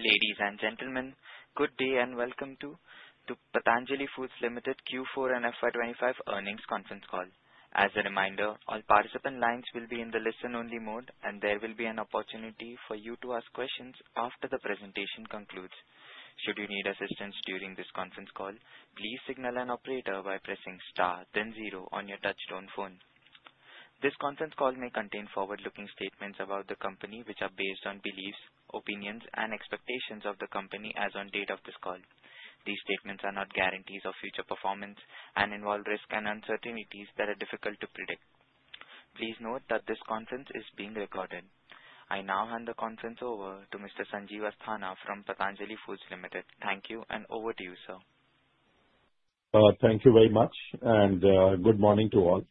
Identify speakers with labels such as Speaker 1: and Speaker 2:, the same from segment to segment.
Speaker 1: Ladies and gentlemen, good day and welcome to Patanjali Foods Limited Q4 and FY 2025 earnings conference call. As a reminder, all participant lines will be in the listen-only mode, and there will be an opportunity for you to ask questions after the presentation concludes. Should you need assistance during this conference call, please signal an operator by pressing star, then zero on your touch-tone phone. This conference call may contain forward-looking statements about the company, which are based on beliefs, opinions, and expectations of the company as on date of this call. These statements are not guarantees of future performance and involve risks and uncertainties that are difficult to predict. Please note that this conference is being recorded. I now hand the conference over to Mr. Sanjeev Asthana from Patanjali Foods Limited. Thank you, and over to you, sir.
Speaker 2: Thank you very much, and good morning to all.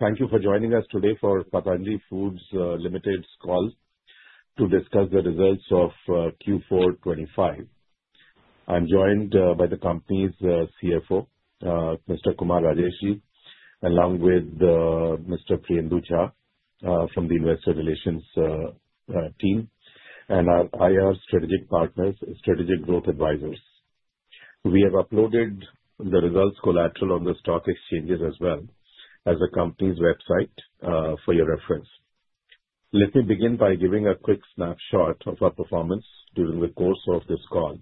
Speaker 2: Thank you for joining us today for Patanjali Foods Limited's call to discuss the results of Q4 2025. I'm joined by the company's CFO, Mr. Kumar Rajesh, along with Mr. Priyendu Jha from the investor relations team and our IR strategic partners, Strategic Growth Advisors. We have uploaded the results collateral on the stock exchanges as well as the company's website for your reference. Let me begin by giving a quick snapshot of our performance during the course of this call.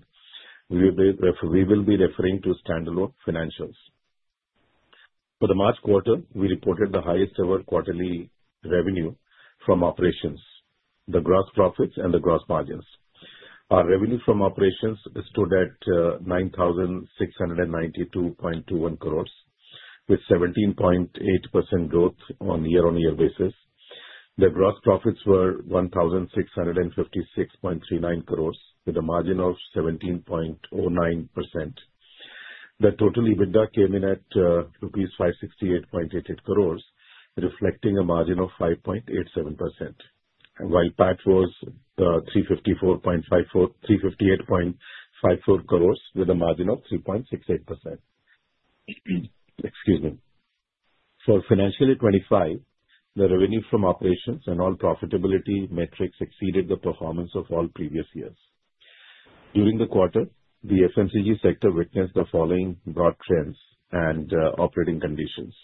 Speaker 2: We will be referring to standalone financials. For the March quarter, we reported the highest-ever quarterly revenue from operations, the gross profits, and the gross margins. Our revenue from operations stood at 9,692.21 crores, with 17.8% growth on year-on-year basis. The gross profits were 1,656.39 crores, with a margin of 17.09%. The total EBITDA came in at rupees 568.88 crores, reflecting a margin of 5.87%, while PAT was 358.54 crores, with a margin of 3.68%. For Financial Year 25, the revenue from operations and all profitability metrics exceeded the performance of all previous years. During the quarter, the FMCG sector witnessed the following broad trends and operating conditions.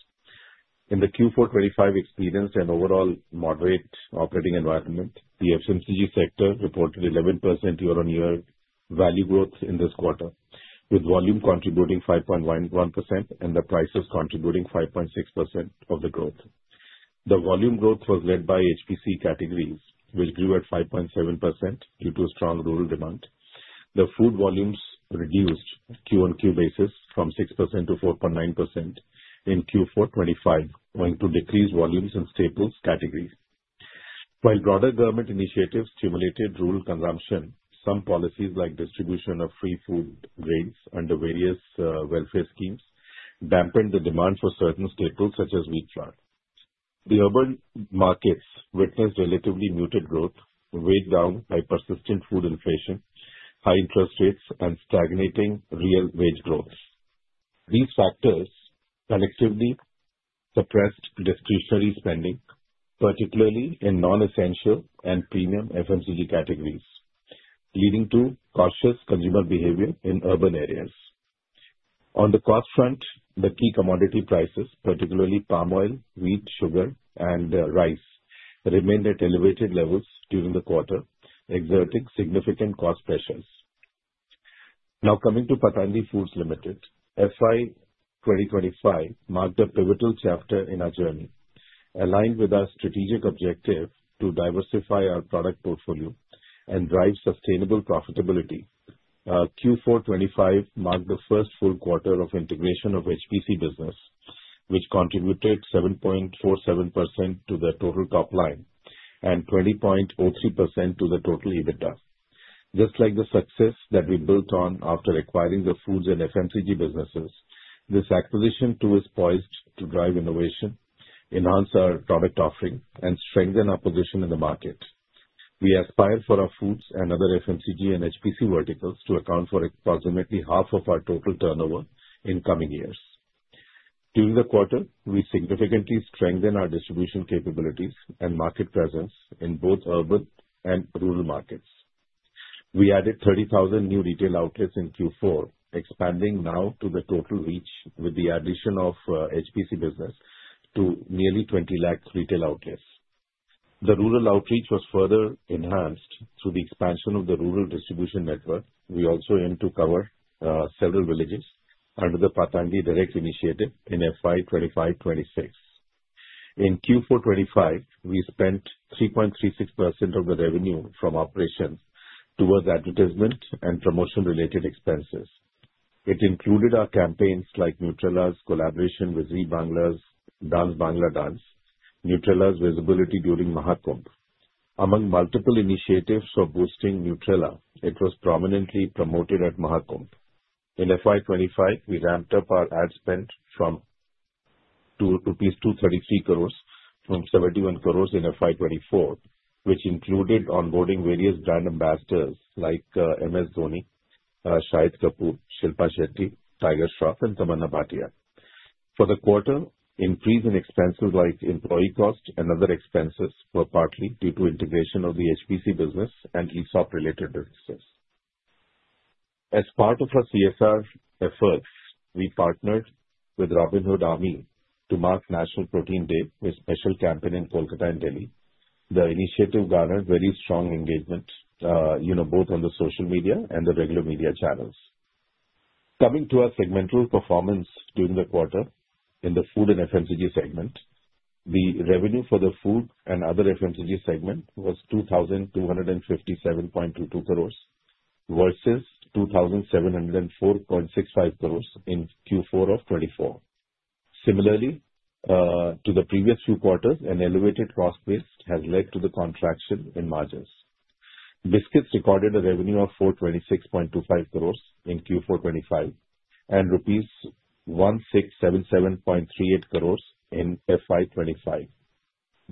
Speaker 2: In the Q4 2025, experienced an overall moderate operating environment. The FMCG sector reported 11% year-on-year value growth in this quarter, with volume contributing 5.1% and the prices contributing 5.6% of the growth. The volume growth was led by HPC categories, which grew at 5.7% due to strong rural demand. The food volumes reduced on a Q-on-Q basis from 6% to 4.9% in Q4 2025, going to decrease volumes in staples categories. While broader government initiatives stimulated rural consumption, some policies, like distribution of free food grains under various welfare schemes, dampened the demand for certain staples, such as wheat flour. The urban markets witnessed relatively muted growth, weighed down by persistent food inflation, high interest rates, and stagnating real wage growth. These factors collectively suppressed discretionary spending, particularly in non-essential and premium FMCG categories, leading to cautious consumer behavior in urban areas. On the cost front, the key commodity prices, particularly palm oil, wheat, sugar, and rice, remained at elevated levels during the quarter, exerting significant cost pressures. Now coming to Patanjali Foods Limited, FY 2025 marked a pivotal chapter in our journey, aligned with our strategic objective to diversify our product portfolio and drive sustainable profitability. Q4 FY 2025 marked the first full quarter of integration of HPC business, which contributed 7.47% to the total top line and 20.03% to the total EBITDA. Just like the success that we built on after acquiring the foods and FMCG businesses, this acquisition too is poised to drive innovation, enhance our product offering, and strengthen our position in the market. We aspire for our foods and other FMCG and HPC verticals to account for approximately half of our total turnover in coming years. During the quarter, we significantly strengthened our distribution capabilities and market presence in both urban and rural markets. We added 30,000 new retail outlets in Q4, expanding now to the total reach with the addition of HPC business to nearly 20 lakh retail outlets. The rural outreach was further enhanced through the expansion of the rural distribution network. We also aim to cover several villages under the Patanjali Direct initiative in FY 2025-26. In Q4 FY 2025, we spent 3.36% of the revenue from operations towards advertisement and promotion-related expenses. It included our campaigns like Nutrela's collaboration with Zee Bangla, Dance Bangla Dance, Nutrela's visibility during Maha Kumbh. Among multiple initiatives for boosting Nutrela, it was prominently promoted at Maha Kumbh. In FY 2025, we ramped up our ad spend to 233 crores from 71 crores in FY 2024, which included onboarding various brand ambassadors like MS Dhoni, Shahid Kapoor, Shilpa Shetty, Tiger Shroff, and Tamannaah Bhatia. For the quarter, increase in expenses like employee costs and other expenses were partly due to integration of the HPC business and ESOP-related businesses. As part of our CSR efforts, we partnered with Robin Hood Army to mark National Protein Day with a special campaign in Kolkata and Delhi. The initiative garnered very strong engagement both on the social media and the regular media channels. Coming to our segmental performance during the quarter in the food and FMCG segment, the revenue for the food and other FMCG segment was 2,257.22 crores versus 2,704.65 crores in Q4 of 2024. Similarly, to the previous few quarters, an elevated cost base has led to the contraction in margins. Biscuits recorded a revenue of 426.25 crores in Q4 2025 and rupees 1,677.38 crores in FY 2025.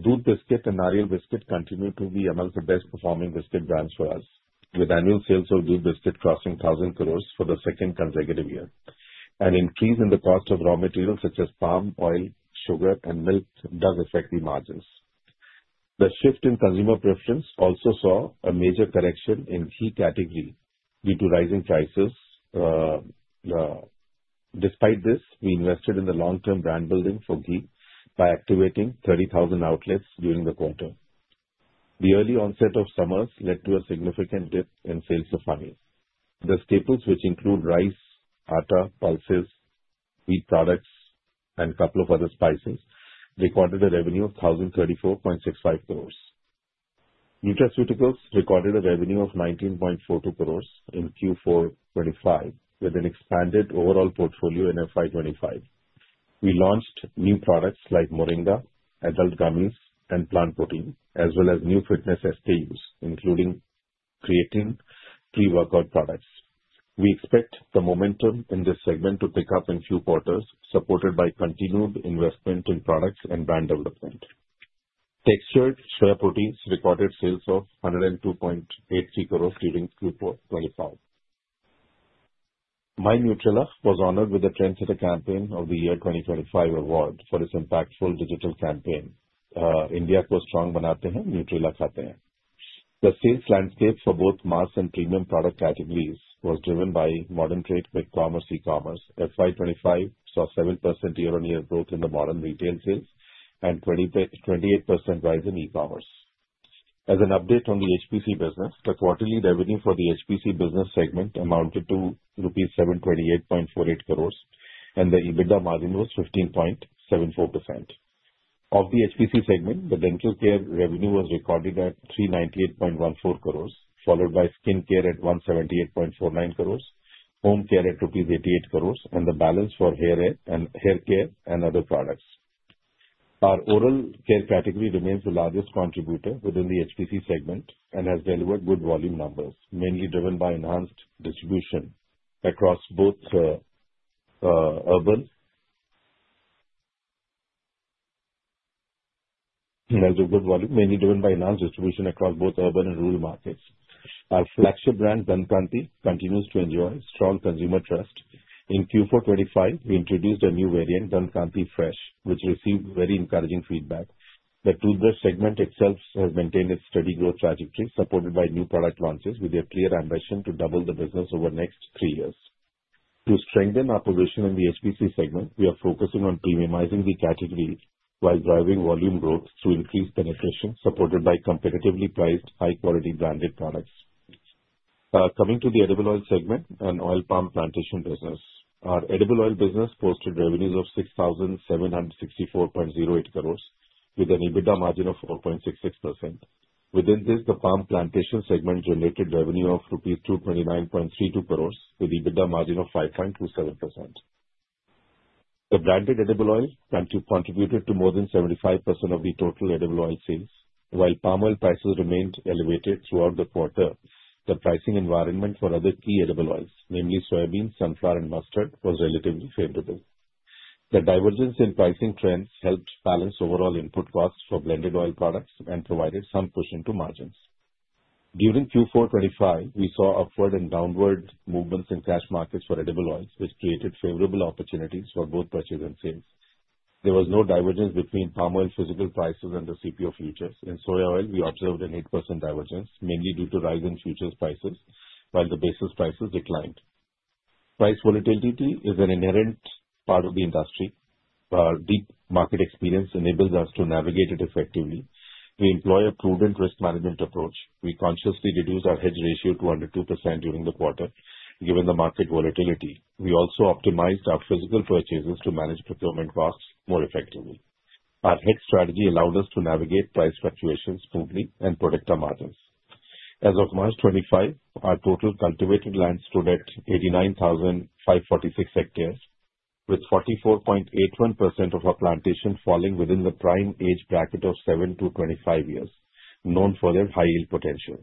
Speaker 2: Doodh Biscuit and Nariyal Biscuit continue to be among the best-performing biscuit brands for us, with annual sales of Doodh Biscuit crossing 1,000 crores for the second consecutive year. An increase in the cost of raw materials such as palm oil, sugar, and milk does affect the margins. The shift in consumer preference also saw a major correction in ghee category due to rising prices. Despite this, we invested in the long-term brand building for ghee by activating 30,000 outlets during the quarter. The early onset of summers led to a significant dip in sales of paneer. The staples, which include rice, atta, pulses, wheat products, and a couple of other spices, recorded a revenue of 1,034.65 crores. Nutraceuticals recorded a revenue of 19.42 crores in Q4 2025 with an expanded overall portfolio in FY 2025. We launched new products like Moringa, adult gummies, and plant protein, as well as new fitness SKUs, including creating pre-workout products. We expect the momentum in this segment to pick up in Q4, supported by continued investment in products and brand development. Textured soya proteins recorded sales of 102.83 crores during Q4 2025. My Nutrela was honored with the Trendsetter Campaign of the Year 2025 award for its impactful digital campaign, "India Ka Favourite, Nutrela Ka Favourite" The sales landscape for both mass and premium product categories was driven by modern trade and e-commerce. FY 2025 saw 7% year-on-year growth in the modern retail sales and 28% rise in e-commerce. As an update on the HPC business, the quarterly revenue for the HPC business segment amounted to 728.48 crores rupees, and the EBITDA margin was 15.74%. Of the HPC segment, the dental care revenue was recorded at 398.14 crores, followed by skin care at 178.49 crores, home care at INR 88 crores, and the balance for hair care and other products. Our oral care category remains the largest contributor within the HPC segment and has delivered good volume numbers, mainly driven by enhanced distribution across both urban and rural markets. Our flagship brand, Dant Kanti, continues to enjoy strong consumer trust. In Q4 2025, we introduced a new variant, Dant Kanti Fresh, which received very encouraging feedback. The toothbrush segment itself has maintained its steady growth trajectory, supported by new product launches with a clear ambition to double the business over the next three years. To strengthen our position in the HPC segment, we are focusing on premiumizing the category while driving volume growth through increased penetration, supported by competitively priced, high-quality branded products. Coming to the edible oil segment and oil palm plantation business, our edible oil business posted revenues of ₹6,764.08 crores, with an EBITDA margin of 4.66%. Within this, the palm plantation segment related revenue of ₹229.32 crores, with EBITDA margin of 5.27%. The branded edible oil contributed to more than 75% of the total edible oil sales. While palm oil prices remained elevated throughout the quarter, the pricing environment for other key edible oils, namely soybeans, sunflower, and mustard, was relatively favorable. The divergence in pricing trends helped balance overall input costs for blended oil products and provided some push into margins. During Q4 2025, we saw upward and downward movements in cash markets for edible oils, which created favorable opportunities for both purchase and sales. There was no divergence between palm oil physical prices and the CPO futures. In soya oil, we observed an 8% divergence, mainly due to rising futures prices, while the basis prices declined. Price volatility is an inherent part of the industry. Our deep market experience enables us to navigate it effectively. We employ a prudent risk management approach. We consciously reduced our hedge ratio to under 2% during the quarter, given the market volatility. We also optimized our physical purchases to manage procurement costs more effectively. Our hedge strategy allowed us to navigate price fluctuations smoothly and predict our margins. As of March 25, our total cultivated land stood at 89,546 hectares, with 44.81% of our plantation falling within the prime age bracket of 7 to 25 years, known for their high yield potential.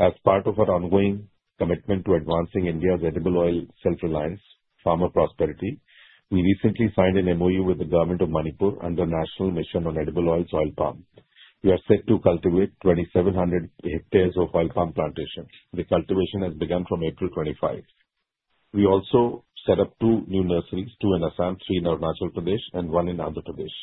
Speaker 2: As part of our ongoing commitment to advancing India's edible oil self-reliance and farmer prosperity, we recently signed an MoU with the Government of Manipur under the National Mission on Edible Oils - Oil Palm. We are set to cultivate 2,700 hectares of oil palm plantations. The cultivation has begun from April 25. We also set up two new nurseries, two in Assam, three in Arunachal Pradesh, and one in Andhra Pradesh.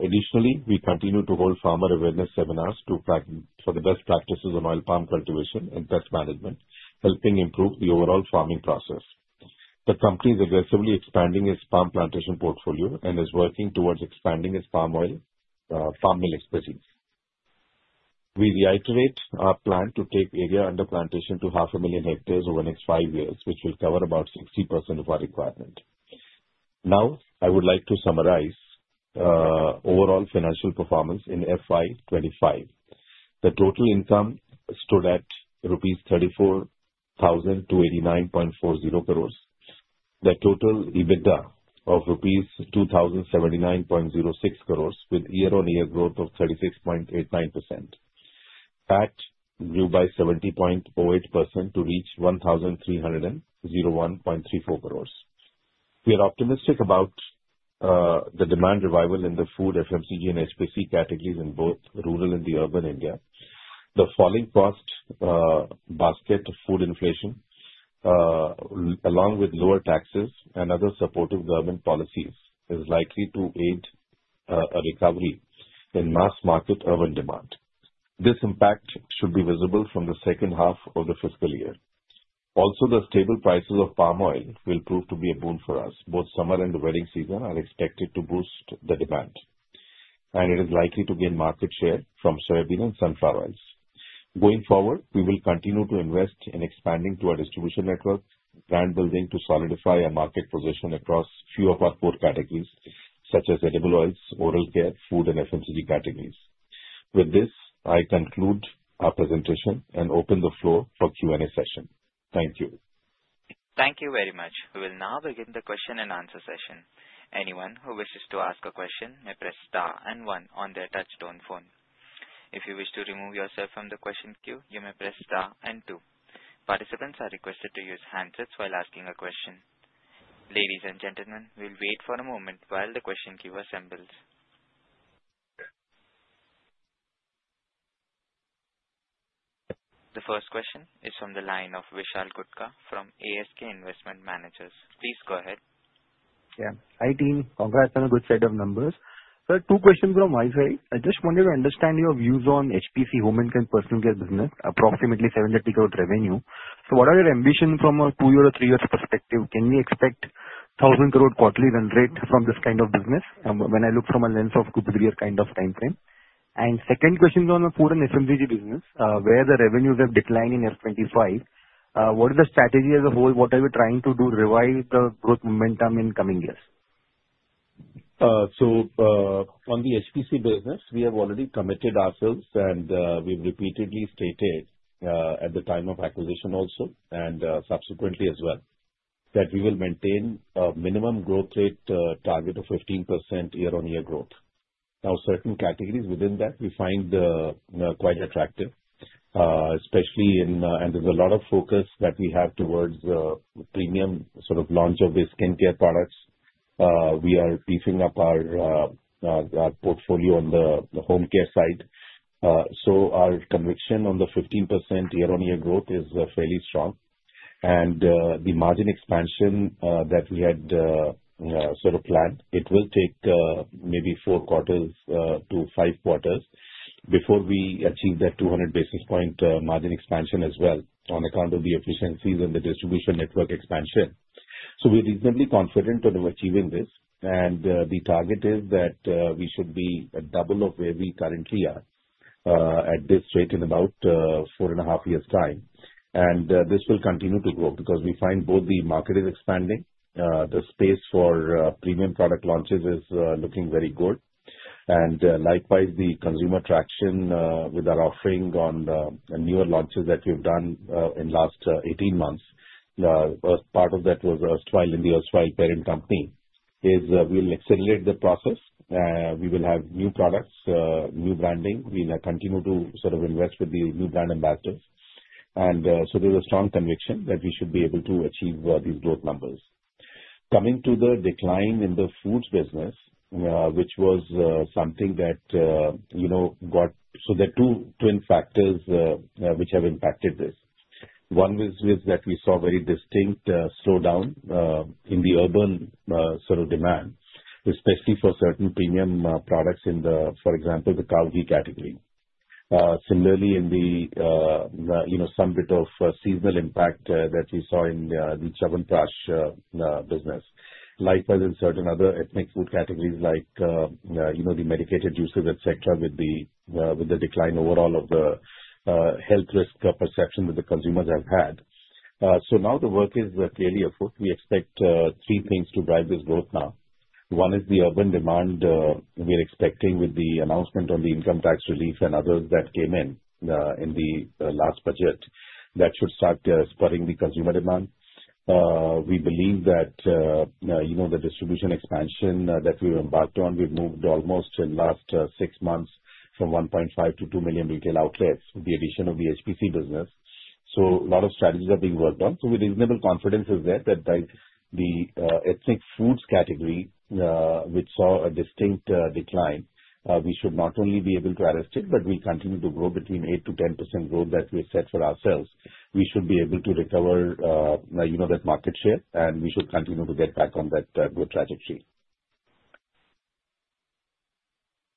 Speaker 2: Additionally, we continue to hold farmer awareness seminars for the best practices on oil palm cultivation and pest management, helping improve the overall farming process. The company is aggressively expanding its palm plantation portfolio and is working towards expanding its palm oil, palm mill expertise. We reiterate our plan to take area under plantation to 500,000 hectares over the next five years, which will cover about 60% of our requirement. Now, I would like to summarize overall financial performance in FY 2025. The total income stood at rupees 34,289.40 crores. The total EBITDA of rupees 2,079.06 crores, with year-on-year growth of 36.89%, grew by 70.08% to reach 1,301.34 crores. We are optimistic about the demand revival in the food, FMCG, and HPC categories in both rural and urban India. The falling cost basket of food inflation, along with lower taxes and other supportive government policies, is likely to aid a recovery in mass market urban demand. This impact should be visible from the second half of the fiscal year. Also, the stable prices of palm oil will prove to be a boon for us. Both summer and the wedding season are expected to boost the demand, and it is likely to gain market share from soybean and sunflower oils. Going forward, we will continue to invest in expanding to our distribution network, brand building to solidify our market position across a few of our core categories such as edible oils, oral care, food, and FMCG categories. With this, I conclude our presentation and open the floor for Q&A session. Thank you.
Speaker 1: Thank you very much. We will now begin the question and answer session. Anyone who wishes to ask a question may press star and one on their touch-tone phone. If you wish to remove yourself from the question queue, you may press star and two. Participants are requested to use handsets while asking a question. Ladies and gentlemen, we'll wait for a moment while the question queue assembles. The first question is from the line of Vishal Gutka from ASK Investment Managers. Please go ahead.
Speaker 3: Yeah. Hi, team. Congrats on a good set of numbers. Sir, two questions from my side. I just wanted to understand your views on HPC, home and personal care business, approximately 730 crore revenue. So what are your ambitions from a two-year or three-year perspective? Can we expect 1,000 crore quarterly run rate from this kind of business when I look from a lens of two- to three-year kind of timeframe? And second question is on the food and FMCG business, where the revenues have declined in F25. What is the strategy as a whole? What are we trying to do to revive the growth momentum in coming years?
Speaker 2: So on the HPC business, we have already committed ourselves, and we've repeatedly stated at the time of acquisition also and subsequently as well that we will maintain a minimum growth rate target of 15% year-on-year growth. Now, certain categories within that we find quite attractive, especially in, and there's a lot of focus that we have towards the premium sort of launch of the skincare products. We are beefing up our portfolio on the home care side. So our conviction on the 15% year-on-year growth is fairly strong. And the margin expansion that we had sort of planned, it will take maybe four quarters to five quarters before we achieve that 200 basis point margin expansion as well on account of the efficiencies and the distribution network expansion. So we're reasonably confident of achieving this. The target is that we should be at double of where we currently are at this rate in about four and a half years' time. This will continue to grow because we find both the market is expanding, the space for premium product launches is looking very good. Likewise, the consumer traction with our offering on newer launches that we've done in the last 18 months, part of that was erstwhile India, erstwhile Parent Company, is we'll accelerate the process. We will have new products, new branding. We'll continue to sort of invest with the new brand ambassadors. So there's a strong conviction that we should be able to achieve these growth numbers. Coming to the decline in the foods business, which was something that got so there are two twin factors which have impacted this. One was that we saw very distinct slowdown in the urban sort of demand, especially for certain premium products in the, for example, the cow ghee category. Similarly, in some bit of seasonal impact that we saw in the chyawanprash business. Likewise, in certain other ethnic food categories like the medicated juices, etc., with the decline overall of the health risk perception that the consumers have had. Now the work is clearly afoot. We expect three things to drive this growth now. One is the urban demand we're expecting with the announcement on the income tax relief and others that came in in the last budget that should start spurring the consumer demand. We believe that the distribution expansion that we've embarked on, we've moved almost in the last six months from 1.5-2 million retail outlets with the addition of the HPC business. So a lot of strategies are being worked on. So we have reasonable confidence there that the ethnic foods category, which saw a distinct decline, we should not only be able to arrest it, but we continue to grow between 8%-10% growth that we've set for ourselves. We should be able to recover that market share, and we should continue to get back on that good trajectory.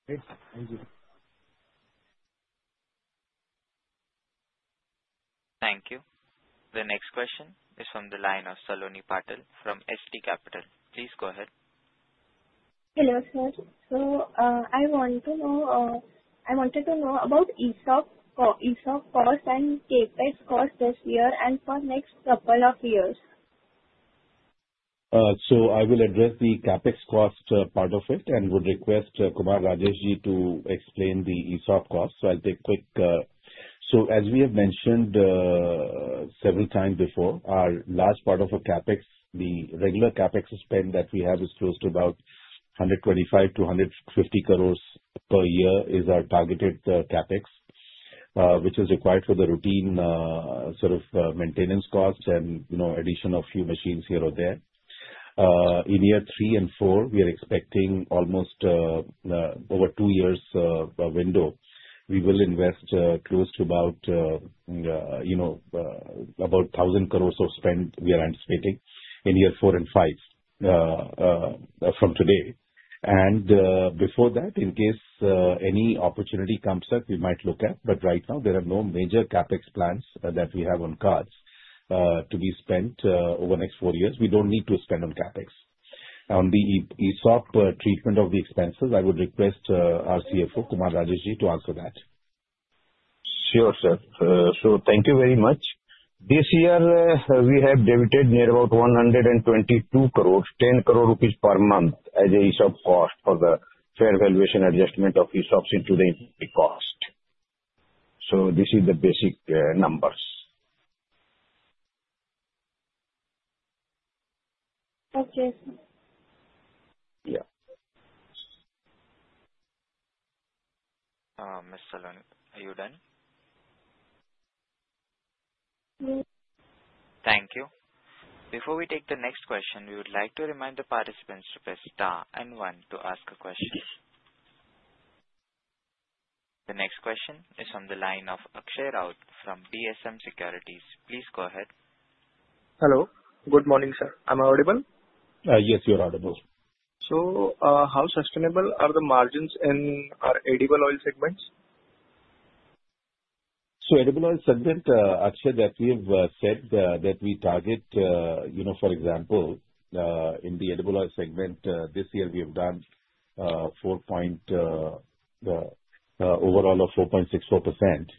Speaker 3: Thank you.
Speaker 1: Thank you. The next question is from the line of Saloni Patel from SD Capital. Please go ahead.
Speaker 4: Hello, sir. So I want to know about ESOP cost and CAPEX cost this year and for the next couple of years.
Speaker 2: So I will address the CAPEX cost part of it and would request Kumar Rajeshji to explain the ESOP cost. So I'll take a quick. As we have mentioned several times before, our large part of our CAPEX, the regular CAPEX spend that we have is close to about 125-150 crores per year is our targeted CAPEX, which is required for the routine sort of maintenance costs and addition of a few machines here or there. In year three and four, we are expecting almost over a two-year window. We will invest close to about 1,000 crores of spend we are anticipating in year four and five from today. And before that, in case any opportunity comes up, we might look at. But right now, there are no major CAPEX plans that we have on cards to be spent over the next four years. We don't need to spend on CAPEX. On the ESOP treatment of the expenses, I would request our CFO, Kumar Rajeshji, to answer that. Sure, sir.
Speaker 5: So thank you very much. This year, we have debited near about 122 crores, 10 crores rupees per month as an ESOP cost for the fair valuation adjustment of ESOPs into the cost. So this is the basic numbers.
Speaker 4: Okay. Yeah.
Speaker 1: Ms. Saloni, are you done? Yes. Thank you. Before we take the next question, we would like to remind the participants to press Star and 1 to ask a question. The next question is from the line of Akshay Raut from B&K Securities. Please go ahead.
Speaker 6: Hello. Good morning, sir. Am I audible?
Speaker 2: Yes, you're audible.
Speaker 6: So how sustainable are the margins in our edible oil segments?
Speaker 2: So edible oil segment, Akshay, that we've said that we target, for example, in the edible oil segment, this year, we have done overall of 4.64%.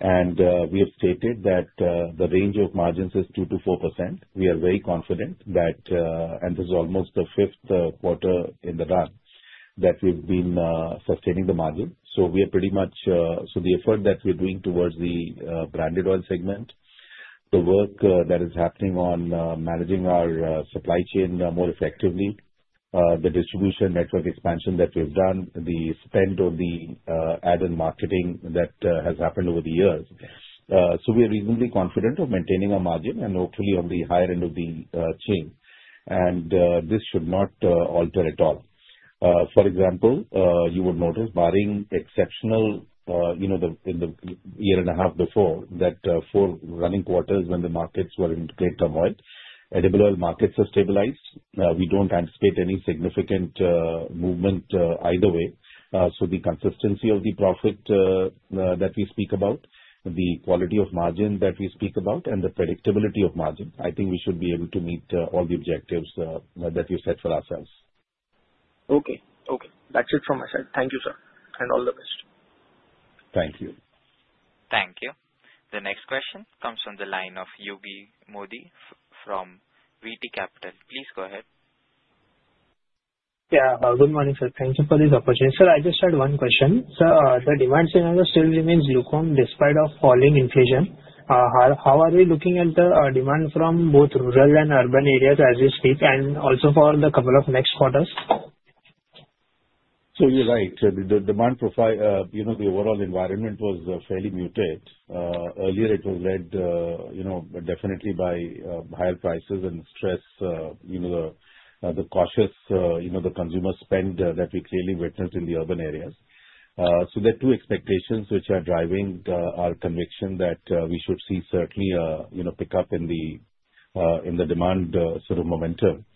Speaker 2: And we have stated that the range of margins is 2%-4%. We are very confident that, and this is almost the fifth quarter in the run that we've been sustaining the margin, so we are pretty much so the effort that we're doing towards the branded oil segment, the work that is happening on managing our supply chain more effectively, the distribution network expansion that we've done, the spend on the ad and marketing that has happened over the years, so we are reasonably confident of maintaining our margin and hopefully on the higher end of the chain, and this should not alter at all. For example, you would notice barring exceptional in the year and a half before that four running quarters when the markets were in great turmoil, edible oil markets have stabilized. We don't anticipate any significant movement either way. So the consistency of the profit that we speak about, the quality of margin that we speak about, and the predictability of margin, I think we should be able to meet all the objectives that we've set for ourselves.
Speaker 6: Okay. Okay. That's it from my side. Thank you, sir. And all the best.
Speaker 2: Thank you.
Speaker 1: Thank you. The next question comes from the line of Yogi Modi from VT Capital. Please go ahead.
Speaker 7: Yeah. Good morning, sir. Thank you for this opportunity. Sir, I just had one question. Sir, the demand scenario still remains lukewarm despite of falling inflation. How are we looking at the demand from both rural and urban areas as we speak and also for the couple of next quarters?
Speaker 2: So you're right. The demand profile, the overall environment was fairly muted. Earlier, it was led definitely by higher prices and stress, the cautious consumer spend that we clearly witnessed in the urban areas. So there are two expectations which are driving our conviction that we should see certainly a pickup in the demand sort of momentum.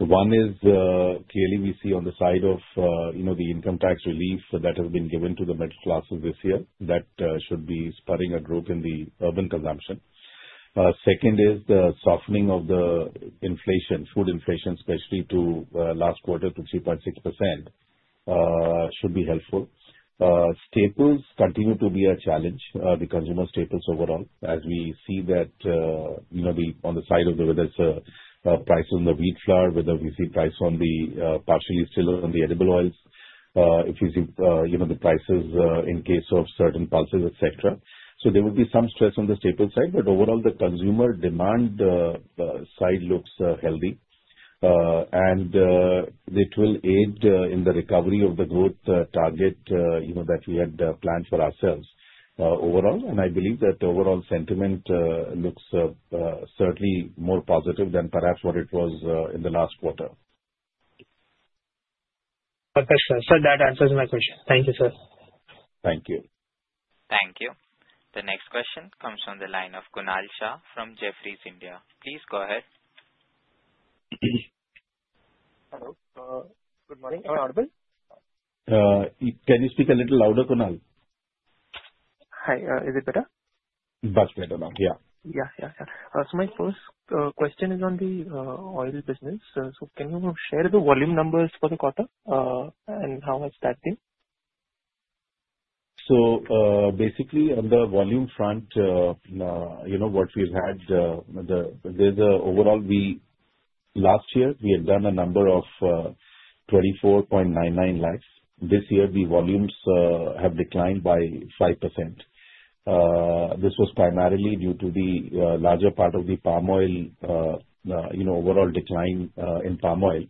Speaker 2: One is clearly we see on the side of the income tax relief that has been given to the middle classes this year that should be spurring a growth in the urban consumption. Second is the softening of the inflation, food inflation, especially to last quarter to 3.6% should be helpful. Staples continue to be a challenge, the consumer staples overall, as we see that on the side of the whether it's price on the wheat flour, whether we see price on the partially still on the edible oils, if we see the prices in case of certain pulses, etc. So there will be some stress on the staples side, but overall, the consumer demand side looks healthy. And it will aid in the recovery of the growth target that we had planned for ourselves overall. And I believe that overall sentiment looks certainly more positive than perhaps what it was in the last quarter.
Speaker 7: Okay. Sir, that answers my question. Thank you, sir.
Speaker 2: Thank you.
Speaker 1: Thank you. The next question comes from the line of Kunal Shah from Jefferies India. Please go ahead.
Speaker 8: Hello. Good morning. Am I audible?
Speaker 2: Can you speak a little louder, Kunal?
Speaker 8: Hi. Is it better?
Speaker 2: Much better now. Yeah.
Speaker 8: Yeah. Yeah. Yeah. So my first question is on the oil business. So can you share the volume numbers for the quarter and how has that been?
Speaker 2: So basically, on the volume front, what we've had, there's overall last year we had done a number of 24.99 lakhs. This year, the volumes have declined by 5%. This was primarily due to the larger part of the palm oil overall decline in palm oil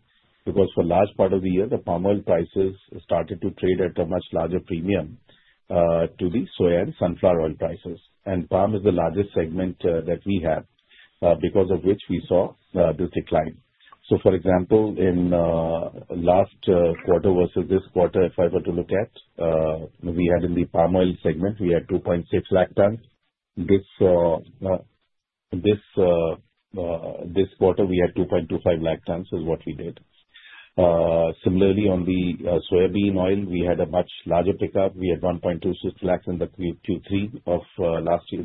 Speaker 2: because for a large part of the year, the palm oil prices started to trade at a much larger premium to the soya bean and sunflower oil prices. And palm is the largest segment that we have because of which we saw this decline. So for example, in last quarter versus this quarter, if I were to look at, we had in the palm oil segment, we had 2.6 lakh tons. This quarter, we had 2.25 lakh tons is what we did. Similarly, on the soya bean oil, we had a much larger pickup. We had 1.26 lakhs in the Q3 of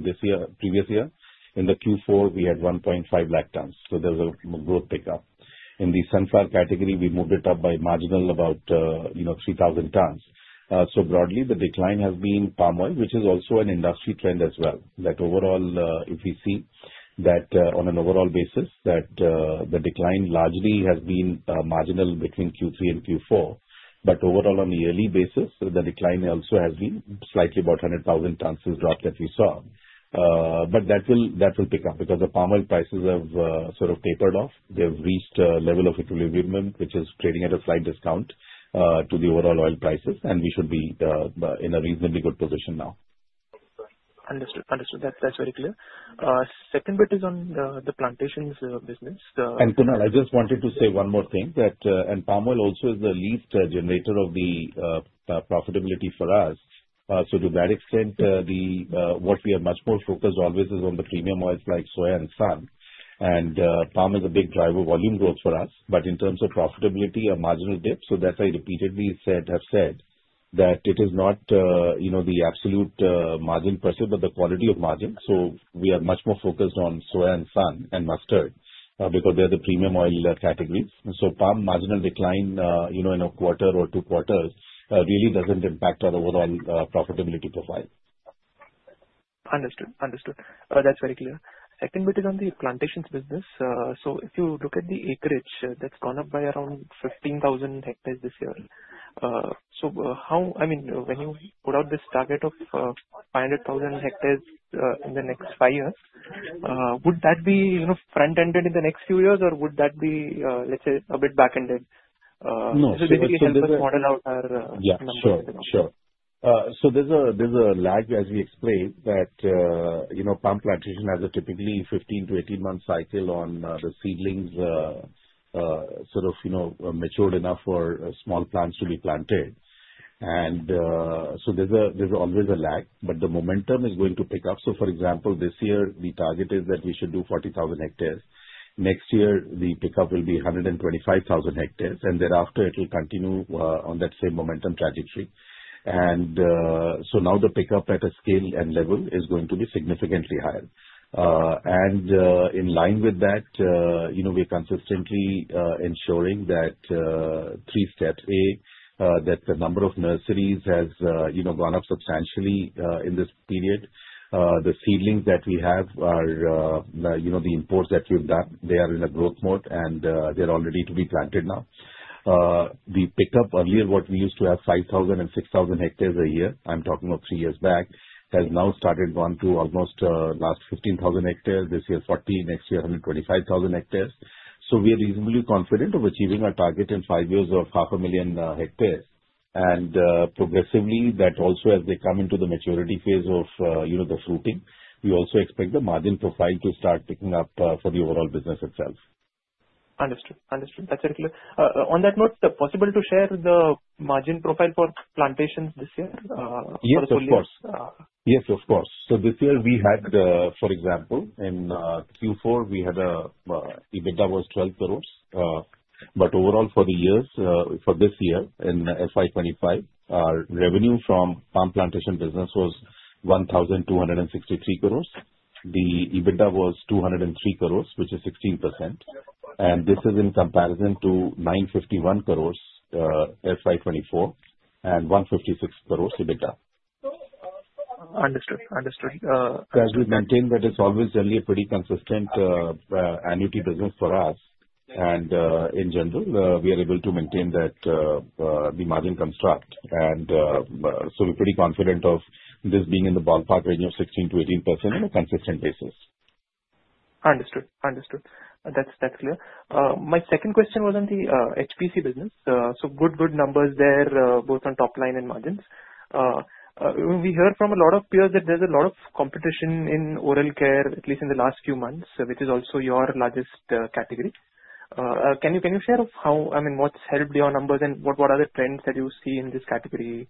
Speaker 2: this year. Previous year, in the Q4, we had 1.5 lakh tons. So there was a growth pickup. In the sunflower category, we moved it up by marginal about 3,000 tons. So broadly, the decline has been palm oil, which is also an industry trend as well. That overall, if we see that on an overall basis, that the decline largely has been marginal between Q3 and Q4. But overall, on a yearly basis, the decline also has been slightly about 100,000 tons is the drop that we saw. But that will pick up because the palm oil prices have sort of tapered off. They've reached a level of equilibrium, which is trading at a slight discount to the overall oil prices. And we should be in a reasonably good position now.
Speaker 8: Understood. Understood. That's very clear. Second bit is on the plantations business.
Speaker 2: Kunal, I just wanted to say one more thing that palm oil also is the least generator of the profitability for us. So to that extent, what we are much more focused on always is on the premium oils like soya and sun. And palm is a big driver of volume growth for us. But in terms of profitability, a marginal dip. So that's why I repeatedly have said that it is not the absolute margin per se, but the quality of margin. So we are much more focused on soya and sun and mustard because they are the premium oil categories. So palm marginal decline in a quarter or two quarters really doesn't impact our overall profitability profile.
Speaker 8: Understood. Understood. That's very clear. Second bit is on the plantations business. So if you look at the acreage, that's gone up by around 15,000 hectares this year. So I mean, when you put out this target of 500,000 hectares in the next five years, would that be front-ended in the next few years, or would that be, let's say, a bit back-ended? This will basically help us model out our numbers.
Speaker 2: Sure. Sure. So there's a lag, as we explained, that palm plantation has a typically 15 to 18-month cycle on the seedlings sort of matured enough for small plants to be planted. And so there's always a lag, but the momentum is going to pick up. So for example, this year, the target is that we should do 40,000 hectares. Next year, the pickup will be 125,000 hectares. And thereafter, it will continue on that same momentum trajectory. And so now the pickup at a scale and level is going to be significantly higher. In line with that, we are consistently ensuring that three steps, A, that the number of nurseries has gone up substantially in this period. The seedlings that we have are the imports that we've done. They are in a growth mode, and they're all ready to be planted now. The pickup earlier, what we used to have 5,000 and 6,000 hectares a year, I'm talking about three years back, has now started going to almost last 15,000 hectares. This year, 14,000. Next year, 125,000 hectares. So we are reasonably confident of achieving our target in five years of 500,000 hectares. And progressively, that also as they come into the maturity phase of the fruiting, we also expect the margin profile to start picking up for the overall business itself.
Speaker 8: Understood. Understood. That's very clear. On that note, possible to share the margin profile for plantations this year?
Speaker 2: Yes. Of course. Yes. Of course. So this year, we had, for example, in Q4, we had EBITDA was 12 crores. But overall, for the years, for this year in FY 2025, our revenue from palm plantation business was 1,263 crores. The EBITDA was 203 crores, which is 16%. And this is in comparison to 951 crores FY 2024 and 156 crores EBITDA.
Speaker 8: Understood. Understood.
Speaker 2: So as we maintain that it's always only a pretty consistent annuity business for us. And in general, we are able to maintain that the margin construct. And so we're pretty confident of this being in the ballpark range of 16%-18% on a consistent basis.
Speaker 8: Understood. Understood. That's clear. My second question was on the HPC business. So good, good numbers there, both on top line and margins. We hear from a lot of peers that there's a lot of competition in oral care, at least in the last few months, which is also your largest category. Can you share how, I mean, what's helped your numbers and what are the trends that you see in this category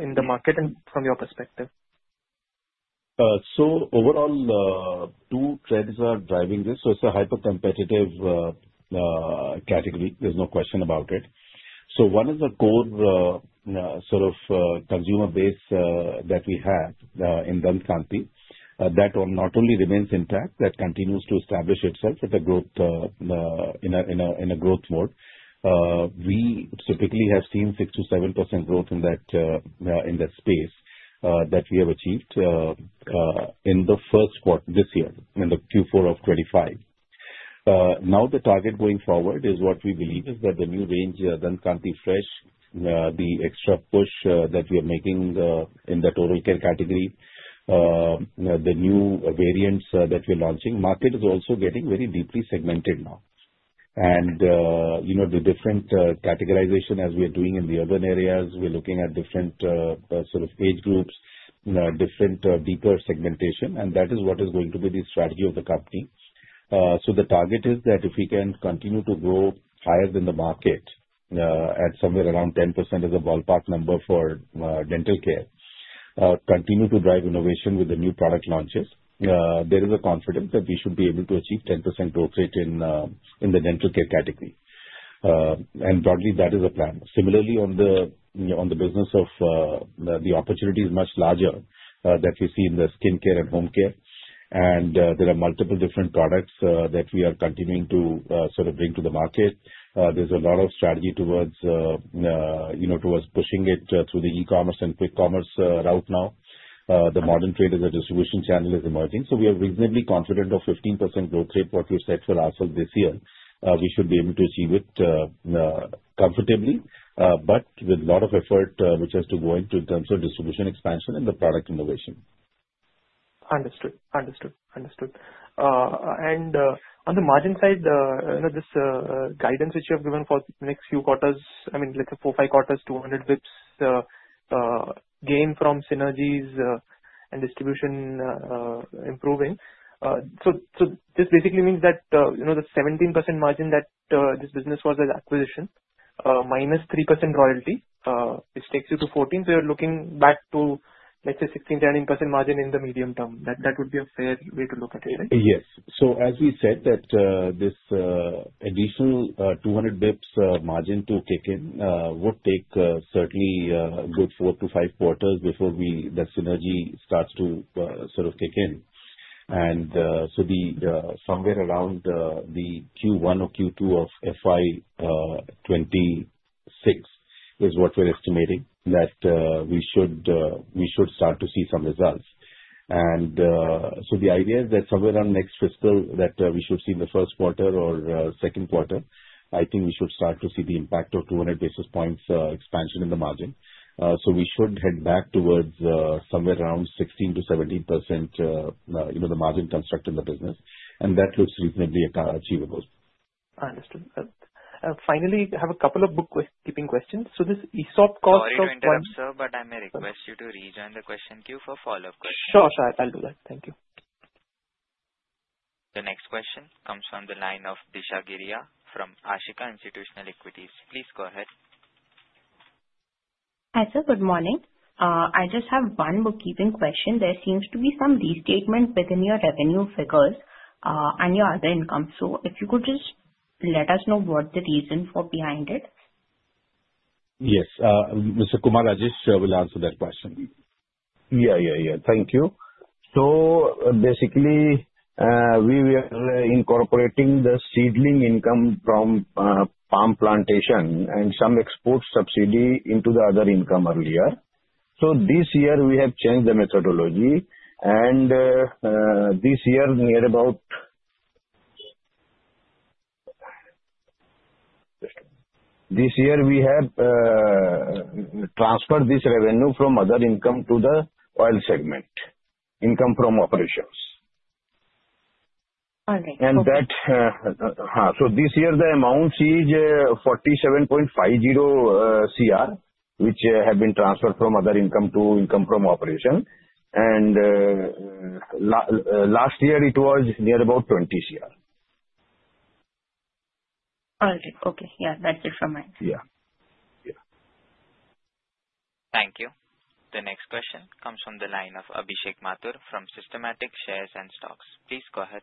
Speaker 8: in the market and from your perspective?
Speaker 2: So overall, two trends are driving this. So it's a hyper-competitive category. There's no question about it. So one is a core sort of consumer base that we have in Dant Kanti. That not only remains intact, that continues to establish itself in a growth mode. We typically have seen 6%-7% growth in that space that we have achieved in the first quarter this year, in the Q4 of 2025. Now, the target going forward is what we believe is that the new range Dant Kanti Fresh, the extra push that we are making in the total care category, the new variants that we're launching, market is also getting very deeply segmented now, and the different categorization as we are doing in the urban areas, we're looking at different sort of age groups, different deeper segmentation. And that is what is going to be the strategy of the company. So the target is that if we can continue to grow higher than the market at somewhere around 10% as a ballpark number for dental care, continue to drive innovation with the new product launches, there is a confidence that we should be able to achieve 10% growth rate in the dental care category, and broadly, that is a plan. Similarly, on the business of the opportunity is much larger that we see in the skincare and home care. And there are multiple different products that we are continuing to sort of bring to the market. There's a lot of strategy towards pushing it through the e-commerce and quick commerce route now. The modern trade as a distribution channel is emerging. So we are reasonably confident of 15% growth rate, what we've set for ourselves this year. We should be able to achieve it comfortably, but with a lot of effort which has to go into in terms of distribution expansion and the product innovation.
Speaker 8: Understood. And on the margin side, this guidance which you have given for the next few quarters, I mean, let's say four, five quarters, 200 basis points gain from synergies and distribution improving. This basically means that the 17% margin that this business was at acquisition minus 3% royalty, which takes you to 14. So you're looking back to, let's say, 16%-17% margin in the medium term. That would be a fair way to look at it, right?
Speaker 2: Yes. So as we said, that this additional 200 basis points margin to kick in would take certainly a good four to five quarters before the synergy starts to sort of kick in. And so somewhere around the Q1 or Q2 of FY 2026 is what we're estimating that we should start to see some results. And so the idea is that somewhere around next fiscal that we should see in the first quarter or second quarter, I think we should start to see the impact of 200 basis points expansion in the margin. So we should head back towards somewhere around 16%-17% the margin construct in the business. And that looks reasonably achievable.
Speaker 8: Understood. Finally, I have a couple of bookkeeping questions. So this ESOP cost of.
Speaker 1: Sorry to interrupt, sir, but I may request you to rejoin the question queue for follow-up questions.
Speaker 8: Sure. Sure. I'll do that. Thank you.
Speaker 1: The next question comes from the line of Disha Geria from Ashika Institutional Equities. Please go ahead.
Speaker 9: Hi, sir. Good morning. I just have one bookkeeping question. There seems to be some restatement within your revenue figures and your other income. So if you could just let us know what the reason for behind it.
Speaker 2: Yes. Mr. Kumar Rajesh will answer that question.
Speaker 5: Yeah. Yeah. Yeah. Thank you. So basically, we were incorporating the seedling income from palm plantation and some export subsidy into the other income earlier. So this year, we have changed the methodology. And this year, near about this year, we have transferred this revenue from other income to the oil segment, income from operations. And that. So this year, the amount is 47.50 CR, which have been transferred from other income to income from operation. And last year, it was near about 20 CR.
Speaker 9: All right. Okay. Yeah. That's it from my side.
Speaker 5: Yeah. Yeah.
Speaker 1: Thank you. The next question comes from the line of Abhishek Mathur from Systematix Shares and Stocks. Please go ahead.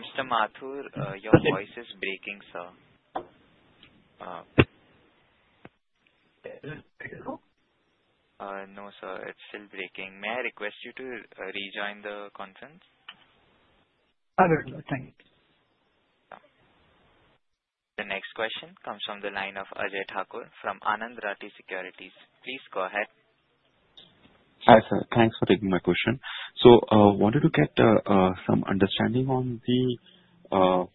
Speaker 1: Mr. Mathur, your voice is breaking, sir. No, sir. It's still breaking. May I request you to rejoin the conference?
Speaker 10: Thank you.
Speaker 1: The next question comes from the line of Ajay Thakur from Anand Rathi Securities. Please go ahead.
Speaker 11: Hi, sir. Thanks for taking my question. So I wanted to get some understanding on the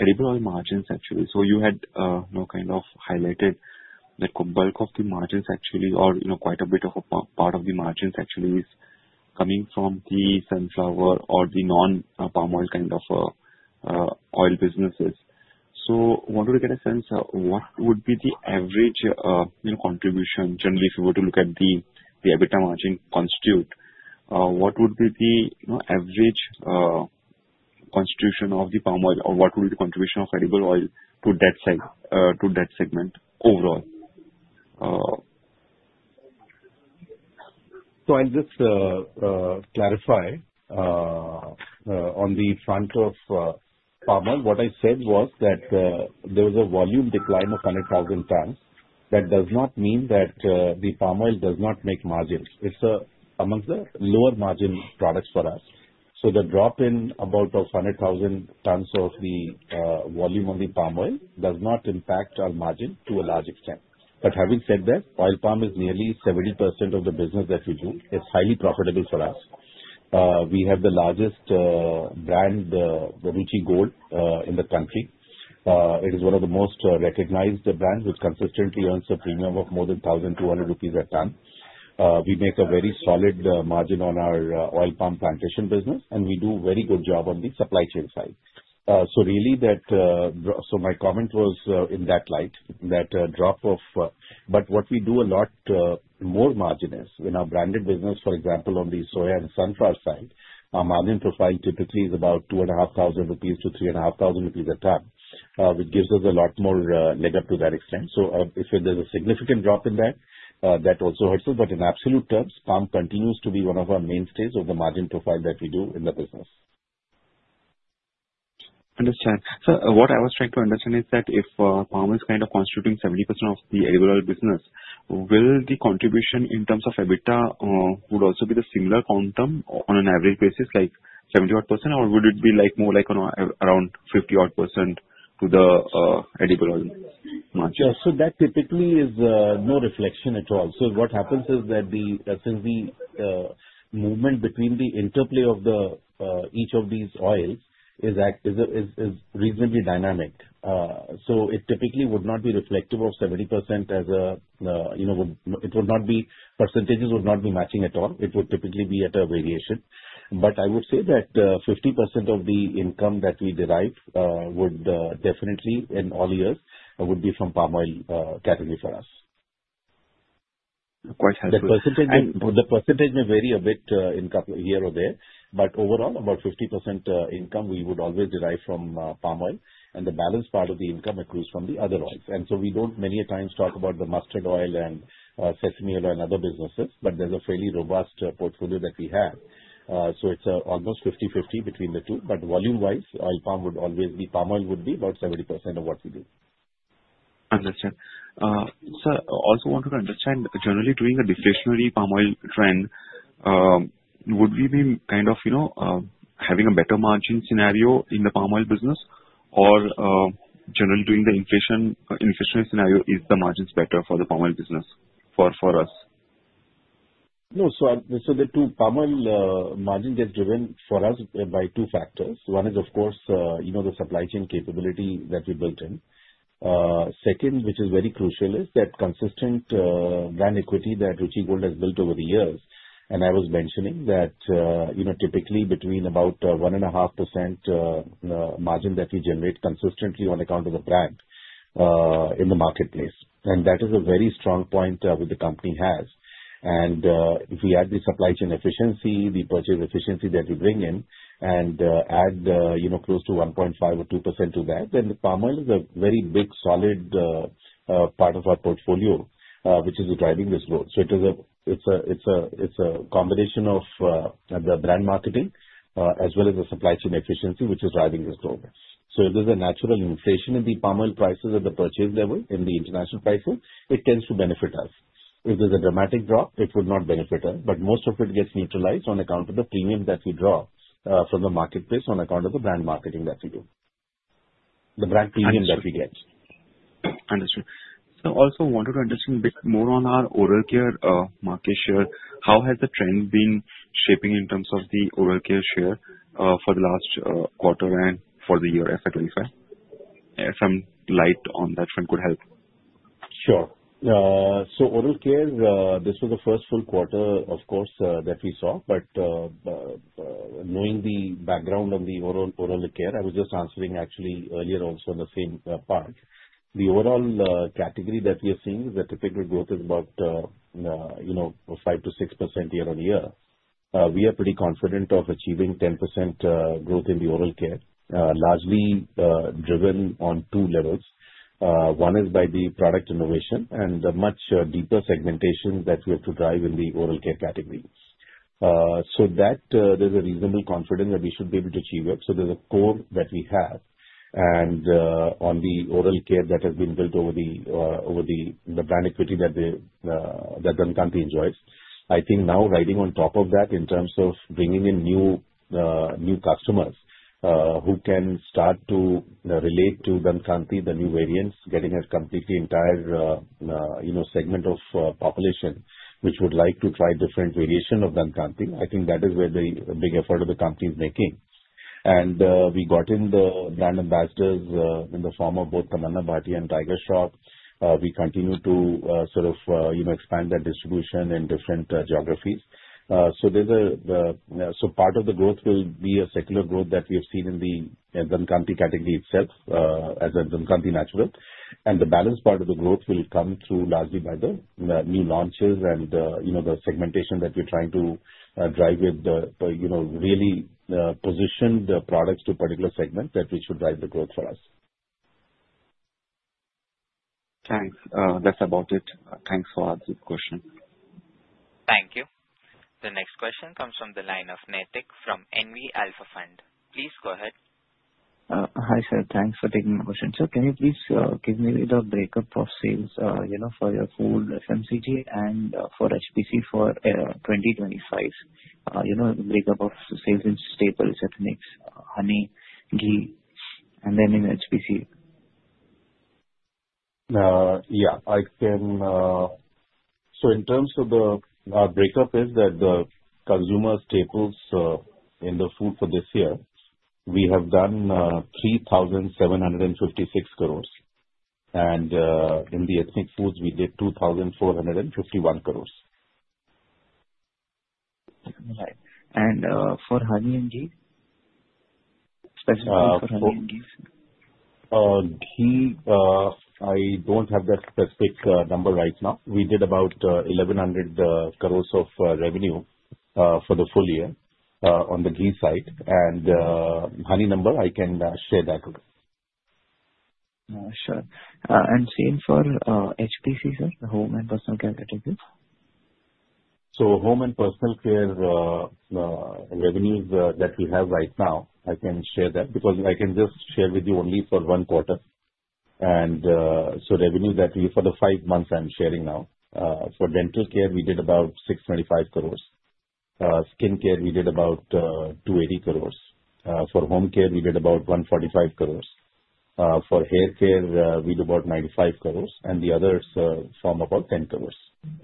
Speaker 11: edible oil margins, actually. So you had kind of highlighted that bulk of the margins, actually, or quite a bit of a part of the margins, actually, is coming from the sunflower or the non-palm oil kind of oil businesses. So I wanted to get a sense of what would be the average contribution. Generally, if you were to look at the EBITDA margin constitute, what would be the average constitution of the palm oil, or what would be the contribution of edible oil to that segment overall?
Speaker 2: So I'll just clarify. On the front of palm oil, what I said was that there was a volume decline of 100,000 tons. That does not mean that the palm oil does not make margins. It's among the lower margin products for us. The drop in about 100,000 tons of the volume on the palm oil does not impact our margin to a large extent. But having said that, oil palm is nearly 70% of the business that we do. It's highly profitable for us. We have the largest brand, the Ruchi Gold, in the country. It is one of the most recognized brands, which consistently earns a premium of more than 1,200 rupees a ton. We make a very solid margin on our oil palm plantation business, and we do a very good job on the supply chain side. So really, my comment was in that light, that drop of. But what we do a lot more margin is in our branded business, for example, on the soya and sunflower side, our margin profile typically is about 2,500-3,500 rupees a ton, which gives us a lot more leg up to that extent. So if there's a significant drop in that, that also hurts us. But in absolute terms, palm continues to be one of our mainstays of the margin profile that we do in the business.
Speaker 11: Understood. So what I was trying to understand is that if palm is kind of constituting 70% of the edible oil business, will the contribution in terms of EBITDA would also be the similar quantum on an average basis, like 70-odd%, or would it be more like around 50-odd% to the edible oil margin?
Speaker 2: Yes. So that typically is no reflection at all. So what happens is that since the movement between the interplay of each of these oils is reasonably dynamic, so it typically would not be reflective of 70% as it would not be. Percentages would not be matching at all. It would typically be at a variation. But I would say that 50% of the income that we derive would definitely, in all years, would be from palm oil category for us. Quite healthy. The percentage may vary a bit here or there, but overall, about 50% income we would always derive from palm oil. And the balanced part of the income accrues from the other oils. And so we don't many times talk about the mustard oil and sesame oil and other businesses, but there's a fairly robust portfolio that we have. So it's almost 50-50 between the two. But volume-wise, oil palm would always be palm oil would be about 70% of what we do.
Speaker 11: Understood. So I also wanted to understand, generally doing a deflationary palm oil trend, would we be kind of having a better margin scenario in the palm oil business, or generally doing the inflationary scenario, is the margins better for the palm oil business for us?
Speaker 2: No. So the palm oil margin gets driven for us by two factors. One is, of course, the supply chain capability that we built in. Second, which is very crucial, is that consistent brand equity that Ruchi Gold has built over the years. And I was mentioning that typically between about 1.5% margin that we generate consistently on account of the brand in the marketplace. And that is a very strong point that the company has. And if we add the supply chain efficiency, the purchase efficiency that we bring in, and add close to 1.5% or 2% to that, then the palm oil is a very big, solid part of our portfolio, which is driving this growth. So it's a combination of the brand marketing as well as the supply chain efficiency, which is driving this growth. So if there's a natural inflation in the palm oil prices at the purchase level in the international prices, it tends to benefit us. If there's a dramatic drop, it would not benefit us. But most of it gets neutralized on account of the premium that we draw from the marketplace on account of the brand marketing that we do. The brand premium that we get.
Speaker 11: Understood. So I also wanted to understand a bit more on our oral care market share. How has the trend been shaping in terms of the oral care share for the last quarter and for the year FY 2025? Some light on that one could help.
Speaker 2: Sure. So oral care, this was the first full quarter, of course, that we saw. But knowing the background on the oral care, I was just answering actually earlier also on the same part. The overall category that we are seeing is that typical growth is about 5%-6% year-on-year. We are pretty confident of achieving 10% growth in the oral care, largely driven on two levels. One is by the product innovation and the much deeper segmentation that we have to drive in the oral care category. So there's a reasonable confidence that we should be able to achieve it. So there's a core that we have. And on the oral care that has been built over the brand equity that Dant Kanti enjoys, I think now riding on top of that in terms of bringing in new customers who can start to relate to Dant Kanti, the new variants, getting a completely entire segment of population which would like to try different variation of Dant Kanti, I think that is where the big effort of the company is making. And we got in the brand ambassadors in the form of both Tamannaah Bhatia and Tiger Shroff. We continue to sort of expand that distribution in different geographies. So part of the growth will be a secular growth that we have seen in the Dant Kanti category itself as a Dant Kanti natural. The balanced part of the growth will come through largely by the new launches and the segmentation that we're trying to drive with the really positioned products to particular segments that we should drive the growth for us.
Speaker 11: Thanks. That's about it. Thanks for the question.
Speaker 1: Thank you. The next question comes from the line of Naitik from NV Alpha Fund. Please go ahead.
Speaker 12: Hi, sir. Thanks for taking my question. Sir, can you please give me the breakup of sales for your food FMCG and for HPC for 2025? The breakup of sales in staples, ethnics, honey, ghee, and then in HPC.
Speaker 2: Yeah. So in terms of the breakup is that the consumer staples in the food for this year, we have done 3,756 crores. And in the ethnic foods, we did 2,451 crores.
Speaker 12: All right. And for honey and ghee? Specifically for honey and ghee.
Speaker 2: Ghee, I don't have that specific number right now. We did about 1,100 crores of revenue for the full year on the ghee side. And honey number, I can share that.
Speaker 12: Sure. And same for HPC, sir? Home and personal care category?
Speaker 2: So home and personal care revenues that we have right now, I can share that because I can just share with you only for one quarter. And so revenue that we for the five months I'm sharing now. For dental care, we did about 625 crores. Skin care, we did about 280 crores. For home care, we did about 145 crores. For hair care, we did about 95 crores. And the others from about 10 crores.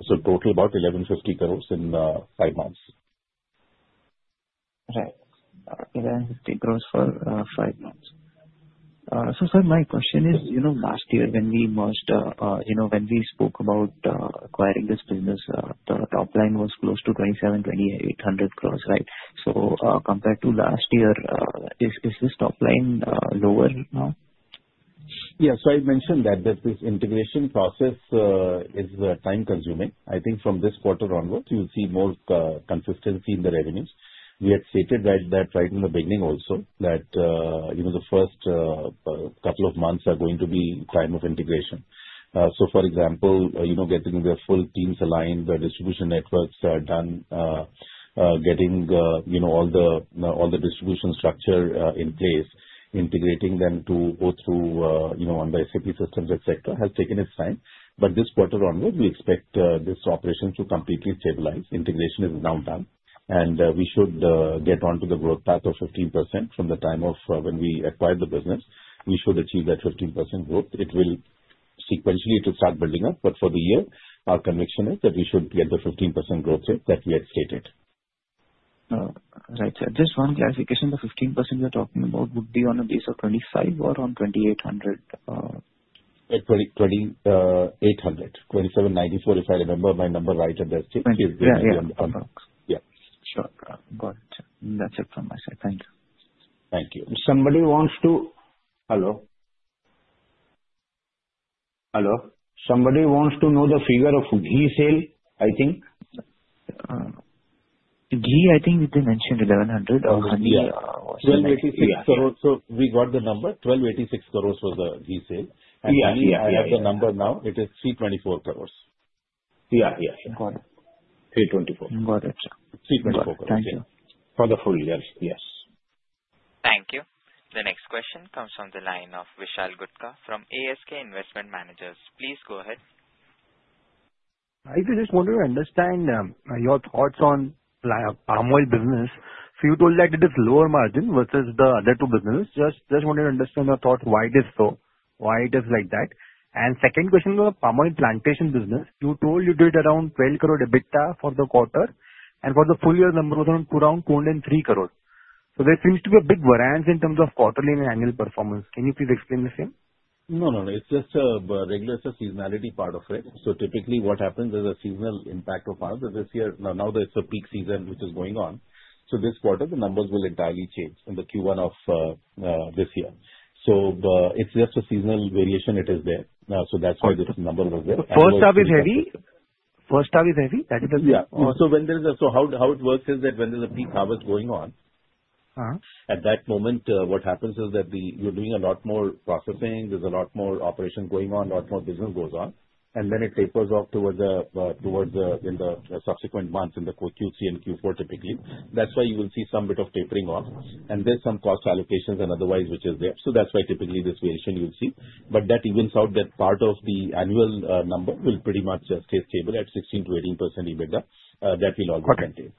Speaker 2: So total about 1,150 crores in five months.
Speaker 12: Right. 1,150 crores for five months. Sir, my question is, last year when we merged, when we spoke about acquiring this business, the top line was close to 2,700-2,800 crores, right? So compared to last year, is this top line lower now?
Speaker 2: Yes. So I mentioned that this integration process is time-consuming. I think from this quarter onwards, you'll see more consistency in the revenues. We had stated right in the beginning also that the first couple of months are going to be time of integration. So for example, getting the full teams aligned, the distribution networks are done, getting all the distribution structure in place, integrating them both through on the SAP systems, etc., has taken its time. But this quarter onwards, we expect this operation to completely stabilize. Integration is now done. And we should get onto the growth path of 15% from the time of when we acquired the business. We should achieve that 15% growth. It will sequentially start building up. But for the year, our conviction is that we should get the 15% growth rate that we had stated.
Speaker 12: Right. Just one clarification. The 15% you're talking about would be on a base of 25 or on 2,800?
Speaker 2: 2,800. 2,794, if I remember my number right at that stage. 2,800.
Speaker 12: Yeah. Sure. Got it. That's it from my side. Thanks.
Speaker 2: Thank you.
Speaker 5: Somebody wants to hello? Hello? Somebody wants to know the figure of ghee sale. I think?
Speaker 12: Ghee, I think they mentioned 1,100 or honey was it? 1,286.
Speaker 2: So we got the number. 1,286 crores was the ghee sale. And we have the number now. It is 324 crores. Yeah. Yeah. Got it. 324.
Speaker 12: Got it.
Speaker 2: 324 crores.
Speaker 12: Thank you.
Speaker 2: For the full year. Yes.
Speaker 1: Thank you. The next question comes from the line of Vishal Gutka from ASK Investment Managers. Please go ahead.
Speaker 3: I just wanted to understand your thoughts on palm oil business. So you told that it is lower margin versus the other two businesses. Just wanted to understand your thoughts why it is so, why it is like that. And second question about palm oil plantation business. You told you did around 12 crore EBITDA for the quarter. And for the full year, the number was around 203 crores. So there seems to be a big variance in terms of quarterly and annual performance. Can you please explain the same?
Speaker 2: No, no, no. It's just a regular seasonality part of it. So typically what happens is a seasonal impact of palm oil. Now there's a peak season which is going on. This quarter, the numbers will entirely change in the Q1 of this year. So it's just a seasonal variation. It is there. So that's why this number was there.
Speaker 3: First half is heavy. That is the thing.
Speaker 2: Yeah. So how it works is that when there's a peak harvest going on, at that moment, what happens is that you're doing a lot more processing. There's a lot more operation going on, a lot more business goes on. And then it tapers off towards the subsequent months in the Q3 and Q4 typically. That's why you will see some bit of tapering off. And there's some cost allocations and otherwise which is there. So that's why typically this variation you'll see. But that evens out that part of the annual number will pretty much stay stable at 16%-18% EBITDA that we're logging and take.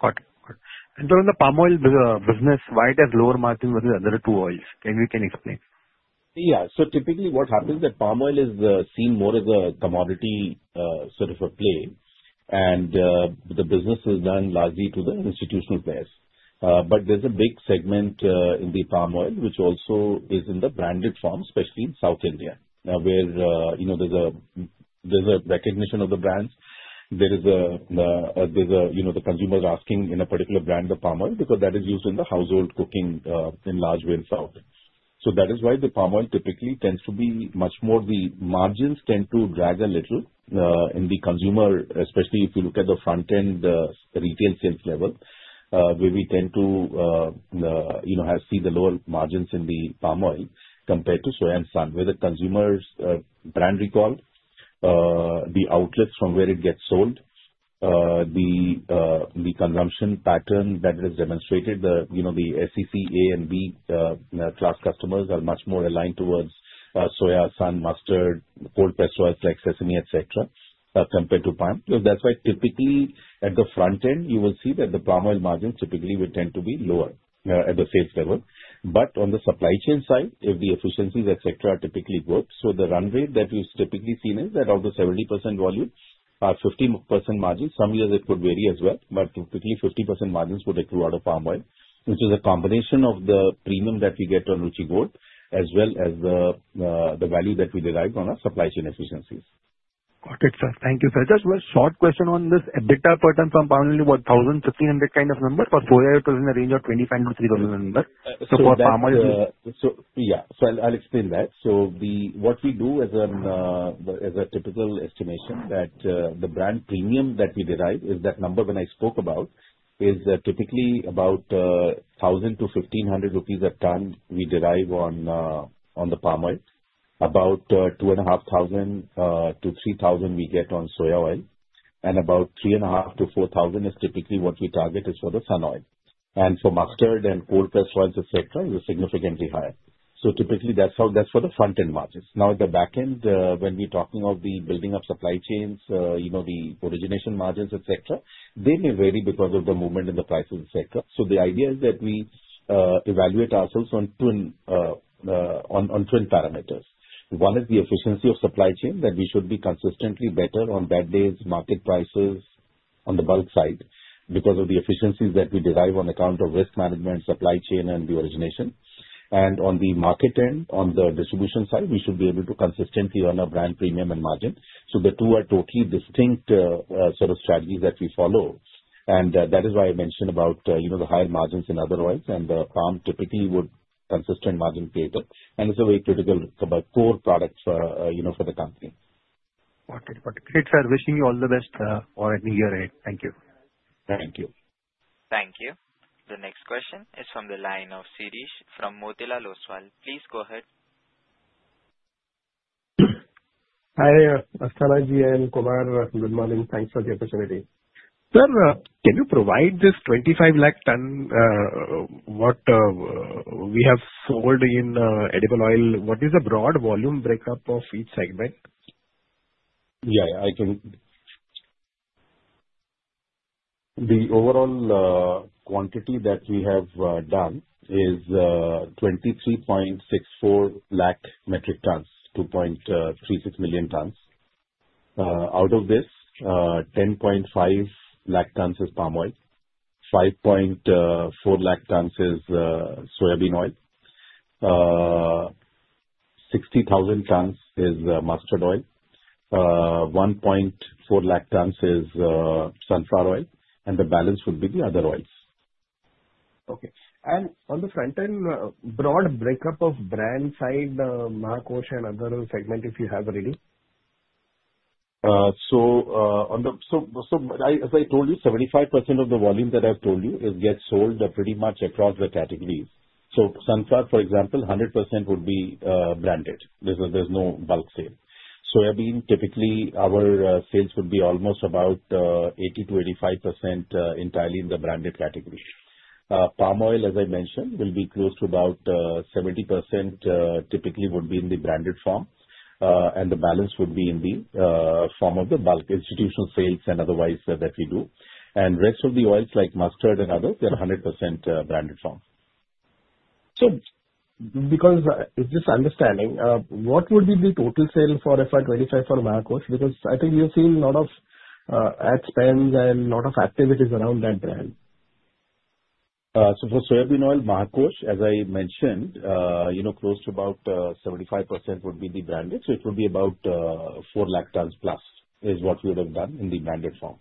Speaker 3: Got it. Got it, and so in the palm oil business, why it has lower margin versus the other two oils? Can you explain?
Speaker 2: Yeah, so typically what happens is that palm oil is seen more as a commodity sort of a play, and the business is done largely to the institutional players, but there's a big segment in the palm oil which also is in the branded form, especially in South India, where there's a recognition of the brands. The consumer is asking for a particular brand of palm oil because that is used in the household cooking in large ways. So that is why the palm oil typically tends to be much more the margins tend to drag a little in the consumer, especially if you look at the front-end retail sales level, where we tend to see the lower margins in the palm oil compared to soy and sun, where the consumer's brand recall, the outlets from where it gets sold, the consumption pattern that is demonstrated, the SEC A and B class customers are much more aligned towards soya, sun, mustard, cold pressed like sesame, etc., compared to palm. Because that's why typically at the front end, you will see that the palm oil margins typically will tend to be lower at the sales level. But on the supply chain side, if the efficiencies, etc., are typically good, so the run rate that we've typically seen is that of the 70% volume, 50% margins. Some years it could vary as well. But typically 50% margins would accrue out of palm oil, which is a combination of the premium that we get on Ruchi Gold as well as the value that we derive on our supply chain efficiencies.
Speaker 3: Got it, sir. Thank you, sir. Just a short question on this. EBITDA per ton from palm oil is about 1,500 kind of number, but soy oil was in the range of 2,500 to 3,000 number. So for palm oil is it?
Speaker 2: Yeah. So I'll explain that. So what we do as a typical estimation that the brand premium that we derive is that number when I spoke about is typically about 1,000-1,500 rupees a ton we derive on the palm oil. About 2,500-3,000 we get on soya oil. About 3,500-4,000 is typically what we target for the sunflower oil. For mustard and cottonseed oils, etc., it is significantly higher. Typically that's for the front-end margins. Now at the back end, when we're talking of the building of supply chains, the origination margins, etc., they may vary because of the movement in the prices, etc. The idea is that we evaluate ourselves on twin parameters. One is the efficiency of supply chain that we should be consistently better on bad days, market prices on the bulk side because of the efficiencies that we derive on account of risk management, supply chain, and the origination. On the market end, on the distribution side, we should be able to consistently earn a brand premium and margin. The two are totally distinct sort of strategies that we follow. That is why I mentioned about the higher margins in other oils. And the palm typically would create consistent margin. And it's a very critical core product for the company.
Speaker 3: Got it. Got it. Great, sir. Wishing you all the best for a new year. Thank you.
Speaker 2: Thank you.
Speaker 1: Thank you. The next question is from the line of Shirish from Motilal Oswal. Please go ahead.
Speaker 13: Hi, Asthana ji. And Kumar. Good morning. Thanks for the opportunity. Sir, can you provide this 25 lakh ton what we have sold in edible oil? What is the broad volume breakup of each segment?
Speaker 2: Yeah. I can. The overall quantity that we have done is 23.64 lakh metric tons, 2.36 million tons. Out of this, 10.5 lakh tons is palm oil. 5.4 lakh tons is soybean oil. 60,000 tons is mustard oil. 1.4 lakh tons is sunflower oil. The balance would be the other oils.
Speaker 13: Okay. On the front end, broad breakup of brand side, Mahakosh and other segment if you have already?
Speaker 2: So as I told you, 75% of the volume that I've told you is gets sold pretty much across the categories. Sunflower, for example, 100% would be branded. There's no bulk sale. Soybean, typically our sales would be almost about 80%-85% entirely in the branded category. Palm oil, as I mentioned, will be close to about 70% typically would be in the branded form. The balance would be in the form of the bulk institutional sales and otherwise that we do. Rest of the oils like mustard and others, they're 100% branded form.
Speaker 13: Just understanding, what would be the total sale for FY 2025 for Mahakosh? Because I think you've seen a lot of ad spends and a lot of activities around that brand.
Speaker 2: So for soybean oil, Mahakosh, as I mentioned, close to about 75% would be the branded. So it would be about 4 lakh tons plus is what we would have done in the branded form.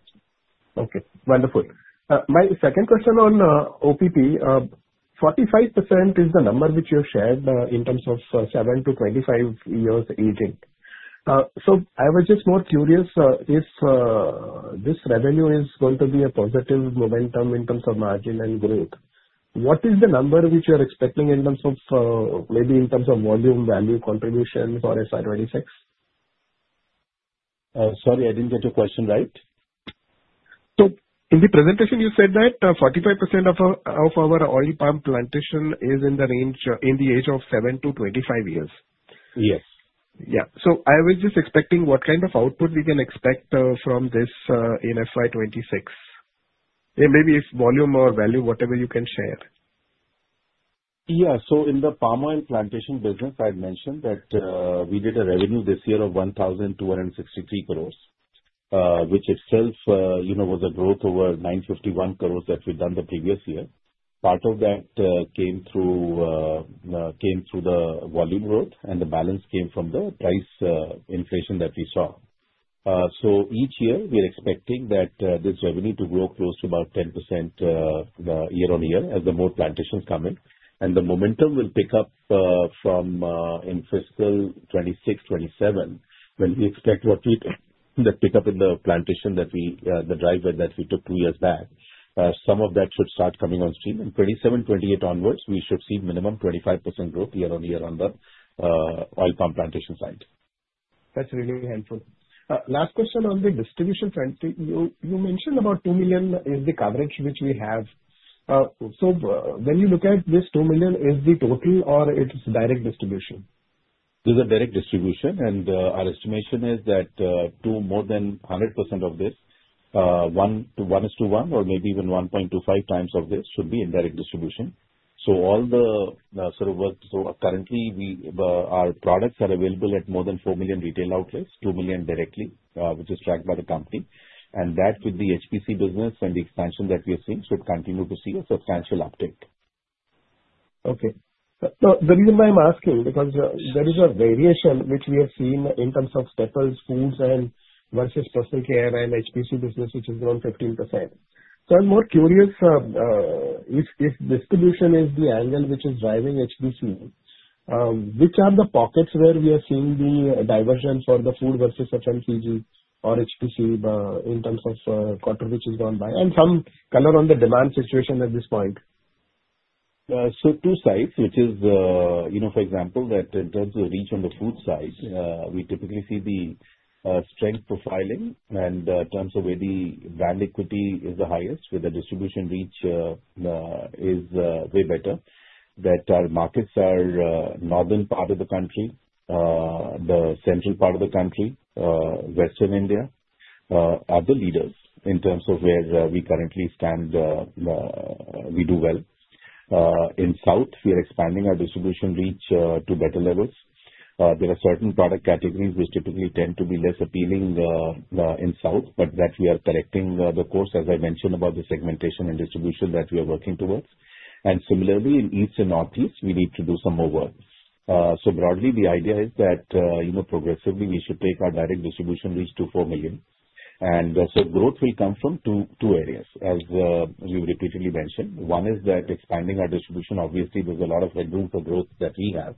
Speaker 13: Okay. Wonderful. My second question on OPP, 45% is the number which you have shared in terms of 7 to 25 years aging. So I was just more curious if this revenue is going to be a positive momentum in terms of margin and growth. What is the number which you're expecting in terms of maybe in terms of volume value contribution for FY 2026?
Speaker 2: Sorry, I didn't get your question right.
Speaker 13: So in the presentation, you said that 45% of our oil palm plantation is in the range in the age of 7 to 25 years.
Speaker 2: Yes.
Speaker 13: Yeah. So I was just expecting what kind of output we can expect from this in FY 2026. Maybe if volume or value, whatever you can share.
Speaker 2: Yeah. So in the palm oil plantation business, I had mentioned that we did a revenue this year of 1,263 crores, which itself was a growth over 951 crores that we've done the previous year. Part of that came through the volume growth, and the balance came from the price inflation that we saw. So each year, we're expecting that this revenue to grow close to about 10% year-on-year as the more plantations come in. And the momentum will pick up from in fiscal 2026, 2027 when we expect the pickup in the plantation from the drive that we took two years back. Some of that should start coming on stream. And 27, 28 onwards, we should see minimum 25% growth year-on-year on the oil palm plantation side.
Speaker 13: That's really helpful. Last question on the distribution, you mentioned about 2 million is the coverage which we have. So when you look at this 2 million, is the total or it's direct distribution?
Speaker 2: There's a direct distribution. And our estimation is that more than 100% of this, 1:1 or maybe even 1.25 times of this should be indirect distribution. So all the sort of work so currently, our products are available at more than 4 million retail outlets, 2 million directly, which is tracked by the company. And that with the HPC business and the expansion that we are seeing should continue to see a substantial uptake.
Speaker 13: Okay. The reason why I'm asking because there is a variation which we have seen in terms of staple foods versus personal care and HPC business, which is around 15%. So I'm more curious if distribution is the angle which is driving HPC, which are the pockets where we are seeing the divergence for the food versus FMCG or HPC in terms of quarter which has gone by and some color on the demand situation at this point.
Speaker 2: So two sides, which is, for example, that in terms of reach on the food side, we typically see the strength profile in terms of where the brand equity is the highest with the distribution reach is way better. That our markets are northern part of the country, the central part of the country, Western India are the leaders in terms of where we currently stand, we do well. In the South, we are expanding our distribution reach to better levels. There are certain product categories which typically tend to be less appealing in the South, but we are correcting the course, as I mentioned, about the segmentation and distribution that we are working towards, and similarly, in the East and Northeast, we need to do some more work. Broadly, the idea is that progressively we should take our direct distribution reach to four million. Growth will come from two areas, as you repeatedly mentioned. One is expanding our distribution; obviously, there is a lot of headroom for growth that we have.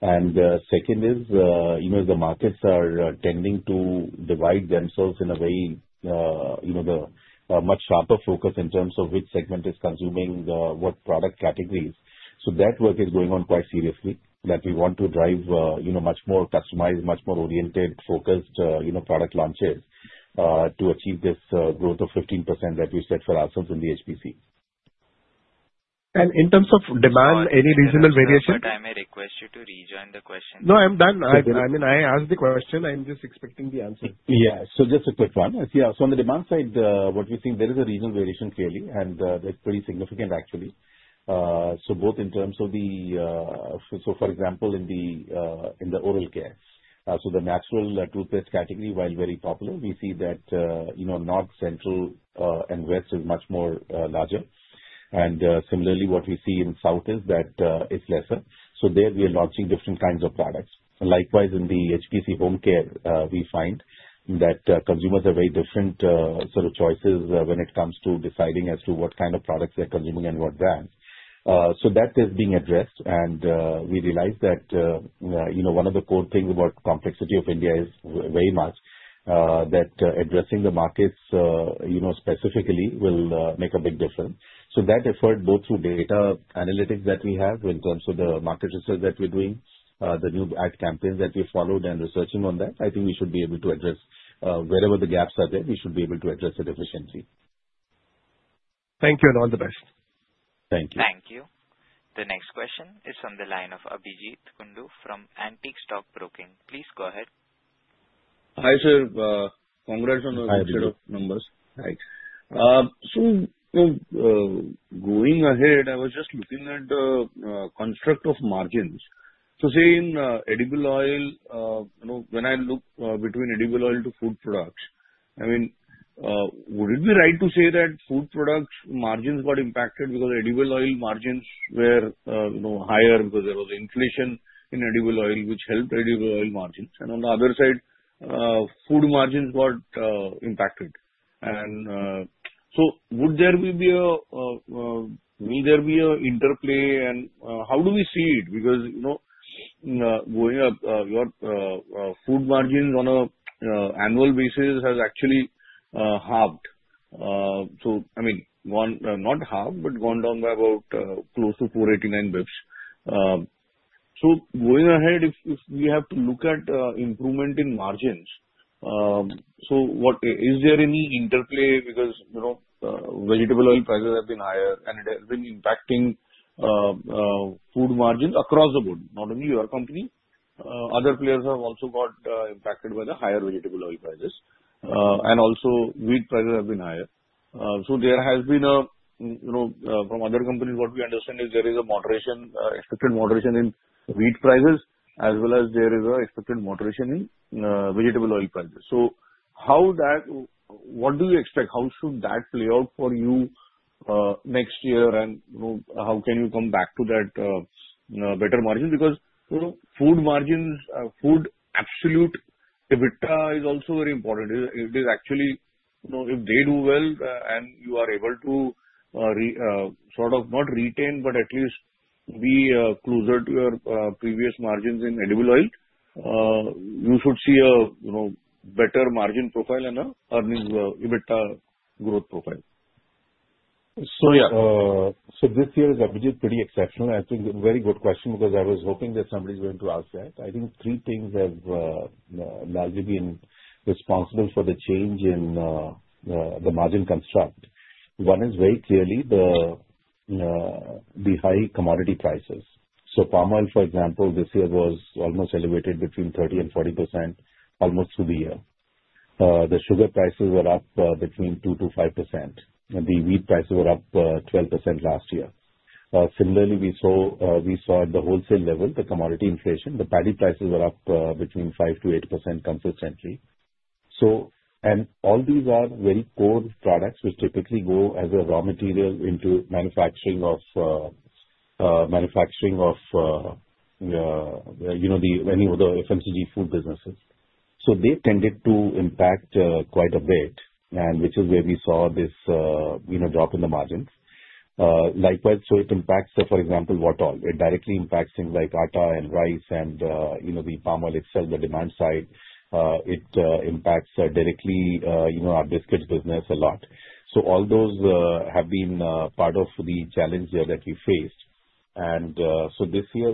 Speaker 2: Second, the markets are tending to divide themselves in a way with a much sharper focus in terms of which segment is consuming what product categories. That work is going on quite seriously that we want to drive much more customized, much more oriented, focused product launches to achieve this growth of 15% that we set for ourselves in the HPC.
Speaker 13: And in terms of demand, any regional variation?
Speaker 1: I'm sorry. I request you to rephrase the question.
Speaker 13: No, I'm done. I mean, I asked the question. I'm just expecting the answer.
Speaker 2: Yeah. So just a quick one. So on the demand side, what we're seeing, there is a regional variation clearly, and that's pretty significant actually. So both in terms of, so for example, in the oral care, so the natural toothpaste category, while very popular, we see that North, Central, and West is much more larger. And similarly, what we see in South is that it's lesser. So there we are launching different kinds of products. Likewise, in the HPC home care, we find that consumers have very different sort of choices when it comes to deciding as to what kind of products they're consuming and what brands. So that is being addressed. And we realize that one of the core things about complexity of India is very much that addressing the markets specifically will make a big difference. So that effort, both through data analytics that we have in terms of the market research that we're doing, the new ad campaigns that we followed and researching on that, I think we should be able to address wherever the gaps are there, we should be able to address it efficiently.
Speaker 13: Thank you. And all the best.
Speaker 2: Thank you.
Speaker 1: Thank you. The next question is from the line of Abhijeet Kundu from Antique Stock Broking. Please go ahead.
Speaker 14: Hi, sir. Congrats on the number.
Speaker 2: Right.
Speaker 14: Going ahead, I was just looking at the construct of margins. Saying edible oil, when I look between edible oil to food products, I mean, would it be right to say that food products margins got impacted because edible oil margins were higher because there was inflation in edible oil, which helped edible oil margins. On the other side, food margins got impacted. Would there be a will there be an interplay? How do we see it? Because going up, your food margins on an annual basis has actually halved. I mean, not halved, but gone down by about close to 489 basis points. Going ahead, if we have to look at improvement in margins, is there any interplay because vegetable oil prices have been higher and it has been impacting food margins across the board? Not only your company, other players have also got impacted by the higher vegetable oil prices. And also, wheat prices have been higher. So there has been from other companies, what we understand is there is a moderation, expected moderation in wheat prices, as well as there is an expected moderation in vegetable oil prices. So what do you expect? How should that play out for you next year? And how can you come back to that better margin? Because food margins, food absolute EBITDA is also very important. It is actually if they do well and you are able to sort of not retain, but at least be closer to your previous margins in edible oil, you should see a better margin profile and an earnings EBITDA growth profile.
Speaker 2: So yeah, so this year's EBITDA is pretty exceptional. I think very good question because I was hoping that somebody's going to ask that. I think three things have largely been responsible for the change in the margin construct. One is very clearly the high commodity prices. So palm oil, for example, this year was almost elevated between 30%-40% almost through the year. The sugar prices were up between 2%-5%. The wheat prices were up 12% last year. Similarly, we saw at the wholesale level, the commodity inflation, the paddy prices were up between 5%-8% consistently. And all these are very core products which typically go as a raw material into manufacturing of manufacturing of any of the FMCG food businesses. So they tended to impact quite a bit, which is where we saw this drop in the margins. Likewise, so it impacts, for example, what all. It directly impacts things like atta and rice and the palm oil itself, the demand side. It impacts directly our biscuits business a lot. So all those have been part of the challenge that we faced. And so this year,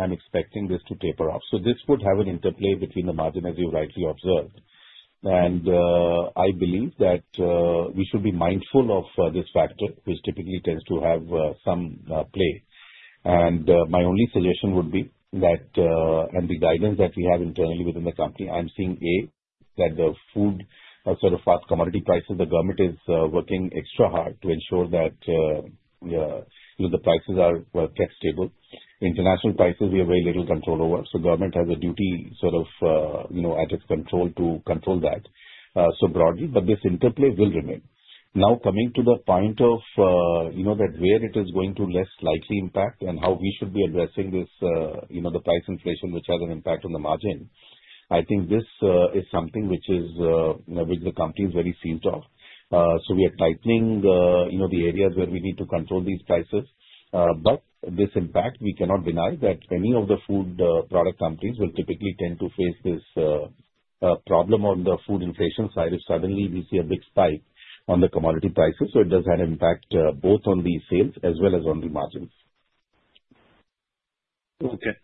Speaker 2: I'm expecting this to taper off. So this would have an interplay between the margin, as you've rightly observed. And I believe that we should be mindful of this factor, which typically tends to have some play. And my only suggestion would be that and the guidance that we have internally within the company, I'm seeing that the food sort of commodity prices, the government is working extra hard to ensure that the prices are kept stable. International prices, we have very little control over. So government has a duty sort of at its control to control that so broadly. But this interplay will remain. Now, coming to the point of where it is going to less likely impact and how we should be addressing this, the price inflation, which has an impact on the margin, I think this is something which the company is very shielded. So we are tightening the areas where we need to control these prices. But this impact, we cannot deny that any of the food product companies will typically tend to face this problem on the food inflation side if suddenly we see a big spike on the commodity prices. So it does have an impact both on the sales as well as on the margins.
Speaker 14: Okay,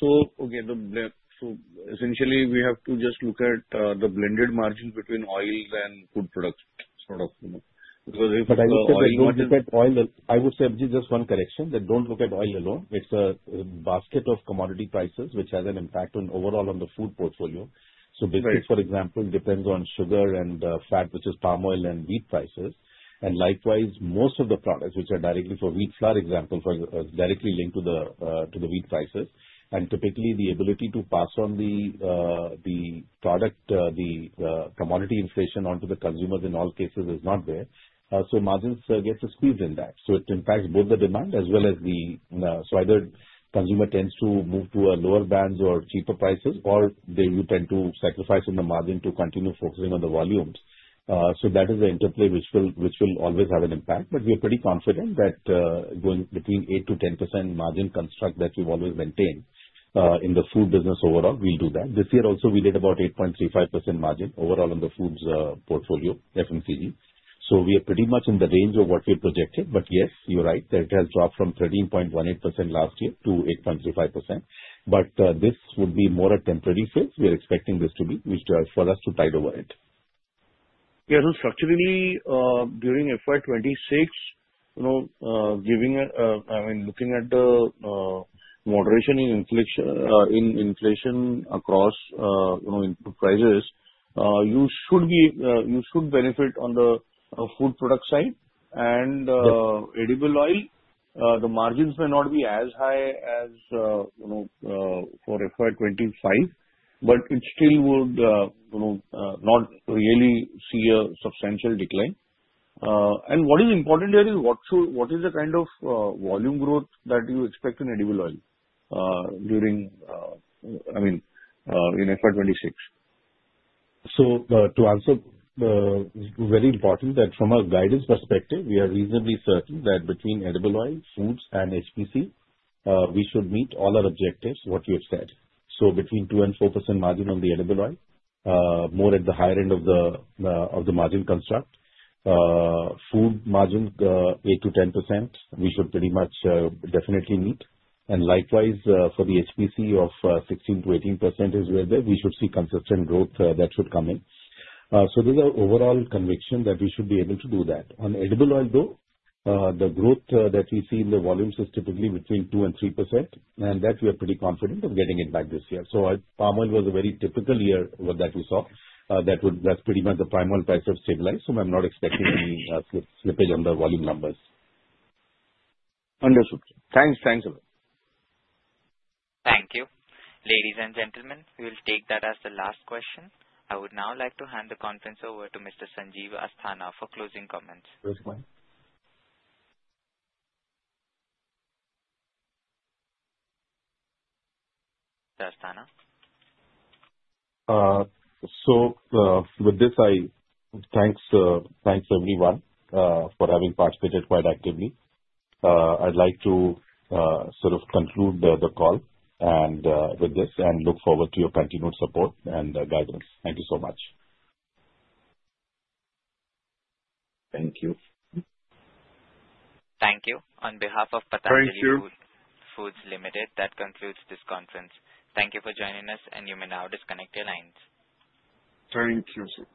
Speaker 14: so essentially, we have to just look at the blended margin between oil and food products sort of because if you look at oil,
Speaker 2: I would say just one correction that don't look at oil alone. It's a basket of commodity prices which has an impact overall on the food portfolio. So biscuits, for example, depends on sugar and fat, which is palm oil and wheat prices. And likewise, most of the products which are directly for wheat flour, example, directly linked to the wheat prices. And typically, the ability to pass on the product, the commodity inflation onto the consumers in all cases is not there. So margins get squeezed in that. So it impacts both the demand as well as the so either consumer tends to move to a lower bands or cheaper prices, or they will tend to sacrifice on the margin to continue focusing on the volumes. So that is the interplay which will always have an impact. But we are pretty confident that going between 8% to 10% margin construct that we've always maintained in the food business overall, we'll do that. This year also, we did about 8.35% margin overall on the foods portfolio, FMCG. So we are pretty much in the range of what we projected. But yes, you're right that it has dropped from 13.18% last year to 8.35%. But this would be more a temporary fix. We are expecting this to be, which for us to tide over it.
Speaker 14: Yeah. So structurally, during FY 2026, giving a I mean, looking at the moderation in inflation across input prices, you should benefit on the food product side. And edible oil, the margins may not be as high as for FY 2025, but it still would not really see a substantial decline. And what is important here is what is the kind of volume growth that you expect in edible oil during, I mean, in FY 2026?
Speaker 2: So to answer, it's very important that from a guidance perspective, we are reasonably certain that between edible oil, foods, and HPC, we should meet all our objectives, what you have said. So between 2% and 4% margin on the edible oil, more at the higher end of the margin construct. Food margin, 8% to 10%, we should pretty much definitely meet. And likewise, for the HPC of 16% to 18% is where we should see consistent growth that should come in. So there's an overall conviction that we should be able to do that. On edible oil, though, the growth that we see in the volumes is typically between 2% and 3%, and that we are pretty confident of getting it back this year. So palm oil was a very typical year that we saw that that's pretty much the palm oil price has stabilized. So I'm not expecting any slippage on the volume numbers.
Speaker 14: Understood. Thanks. Thanks a lot.
Speaker 1: Thank you. Ladies and gentlemen, we will take that as the last question. I would now like to hand the conference over to Mr. Sanjeev Asthana for closing comments.
Speaker 2: That's fine.
Speaker 1: So Asthana?
Speaker 2: So with this, thanks everyone for having participated quite actively. I'd like to sort of conclude the call with this and look forward to your continued support and guidance. Thank you so much.
Speaker 5: Thank you.
Speaker 1: Thank you. On behalf of Patanjali Foods Limited, that concludes this conference. Thank you for joining us, and you may now disconnect your lines.
Speaker 5: Thank you.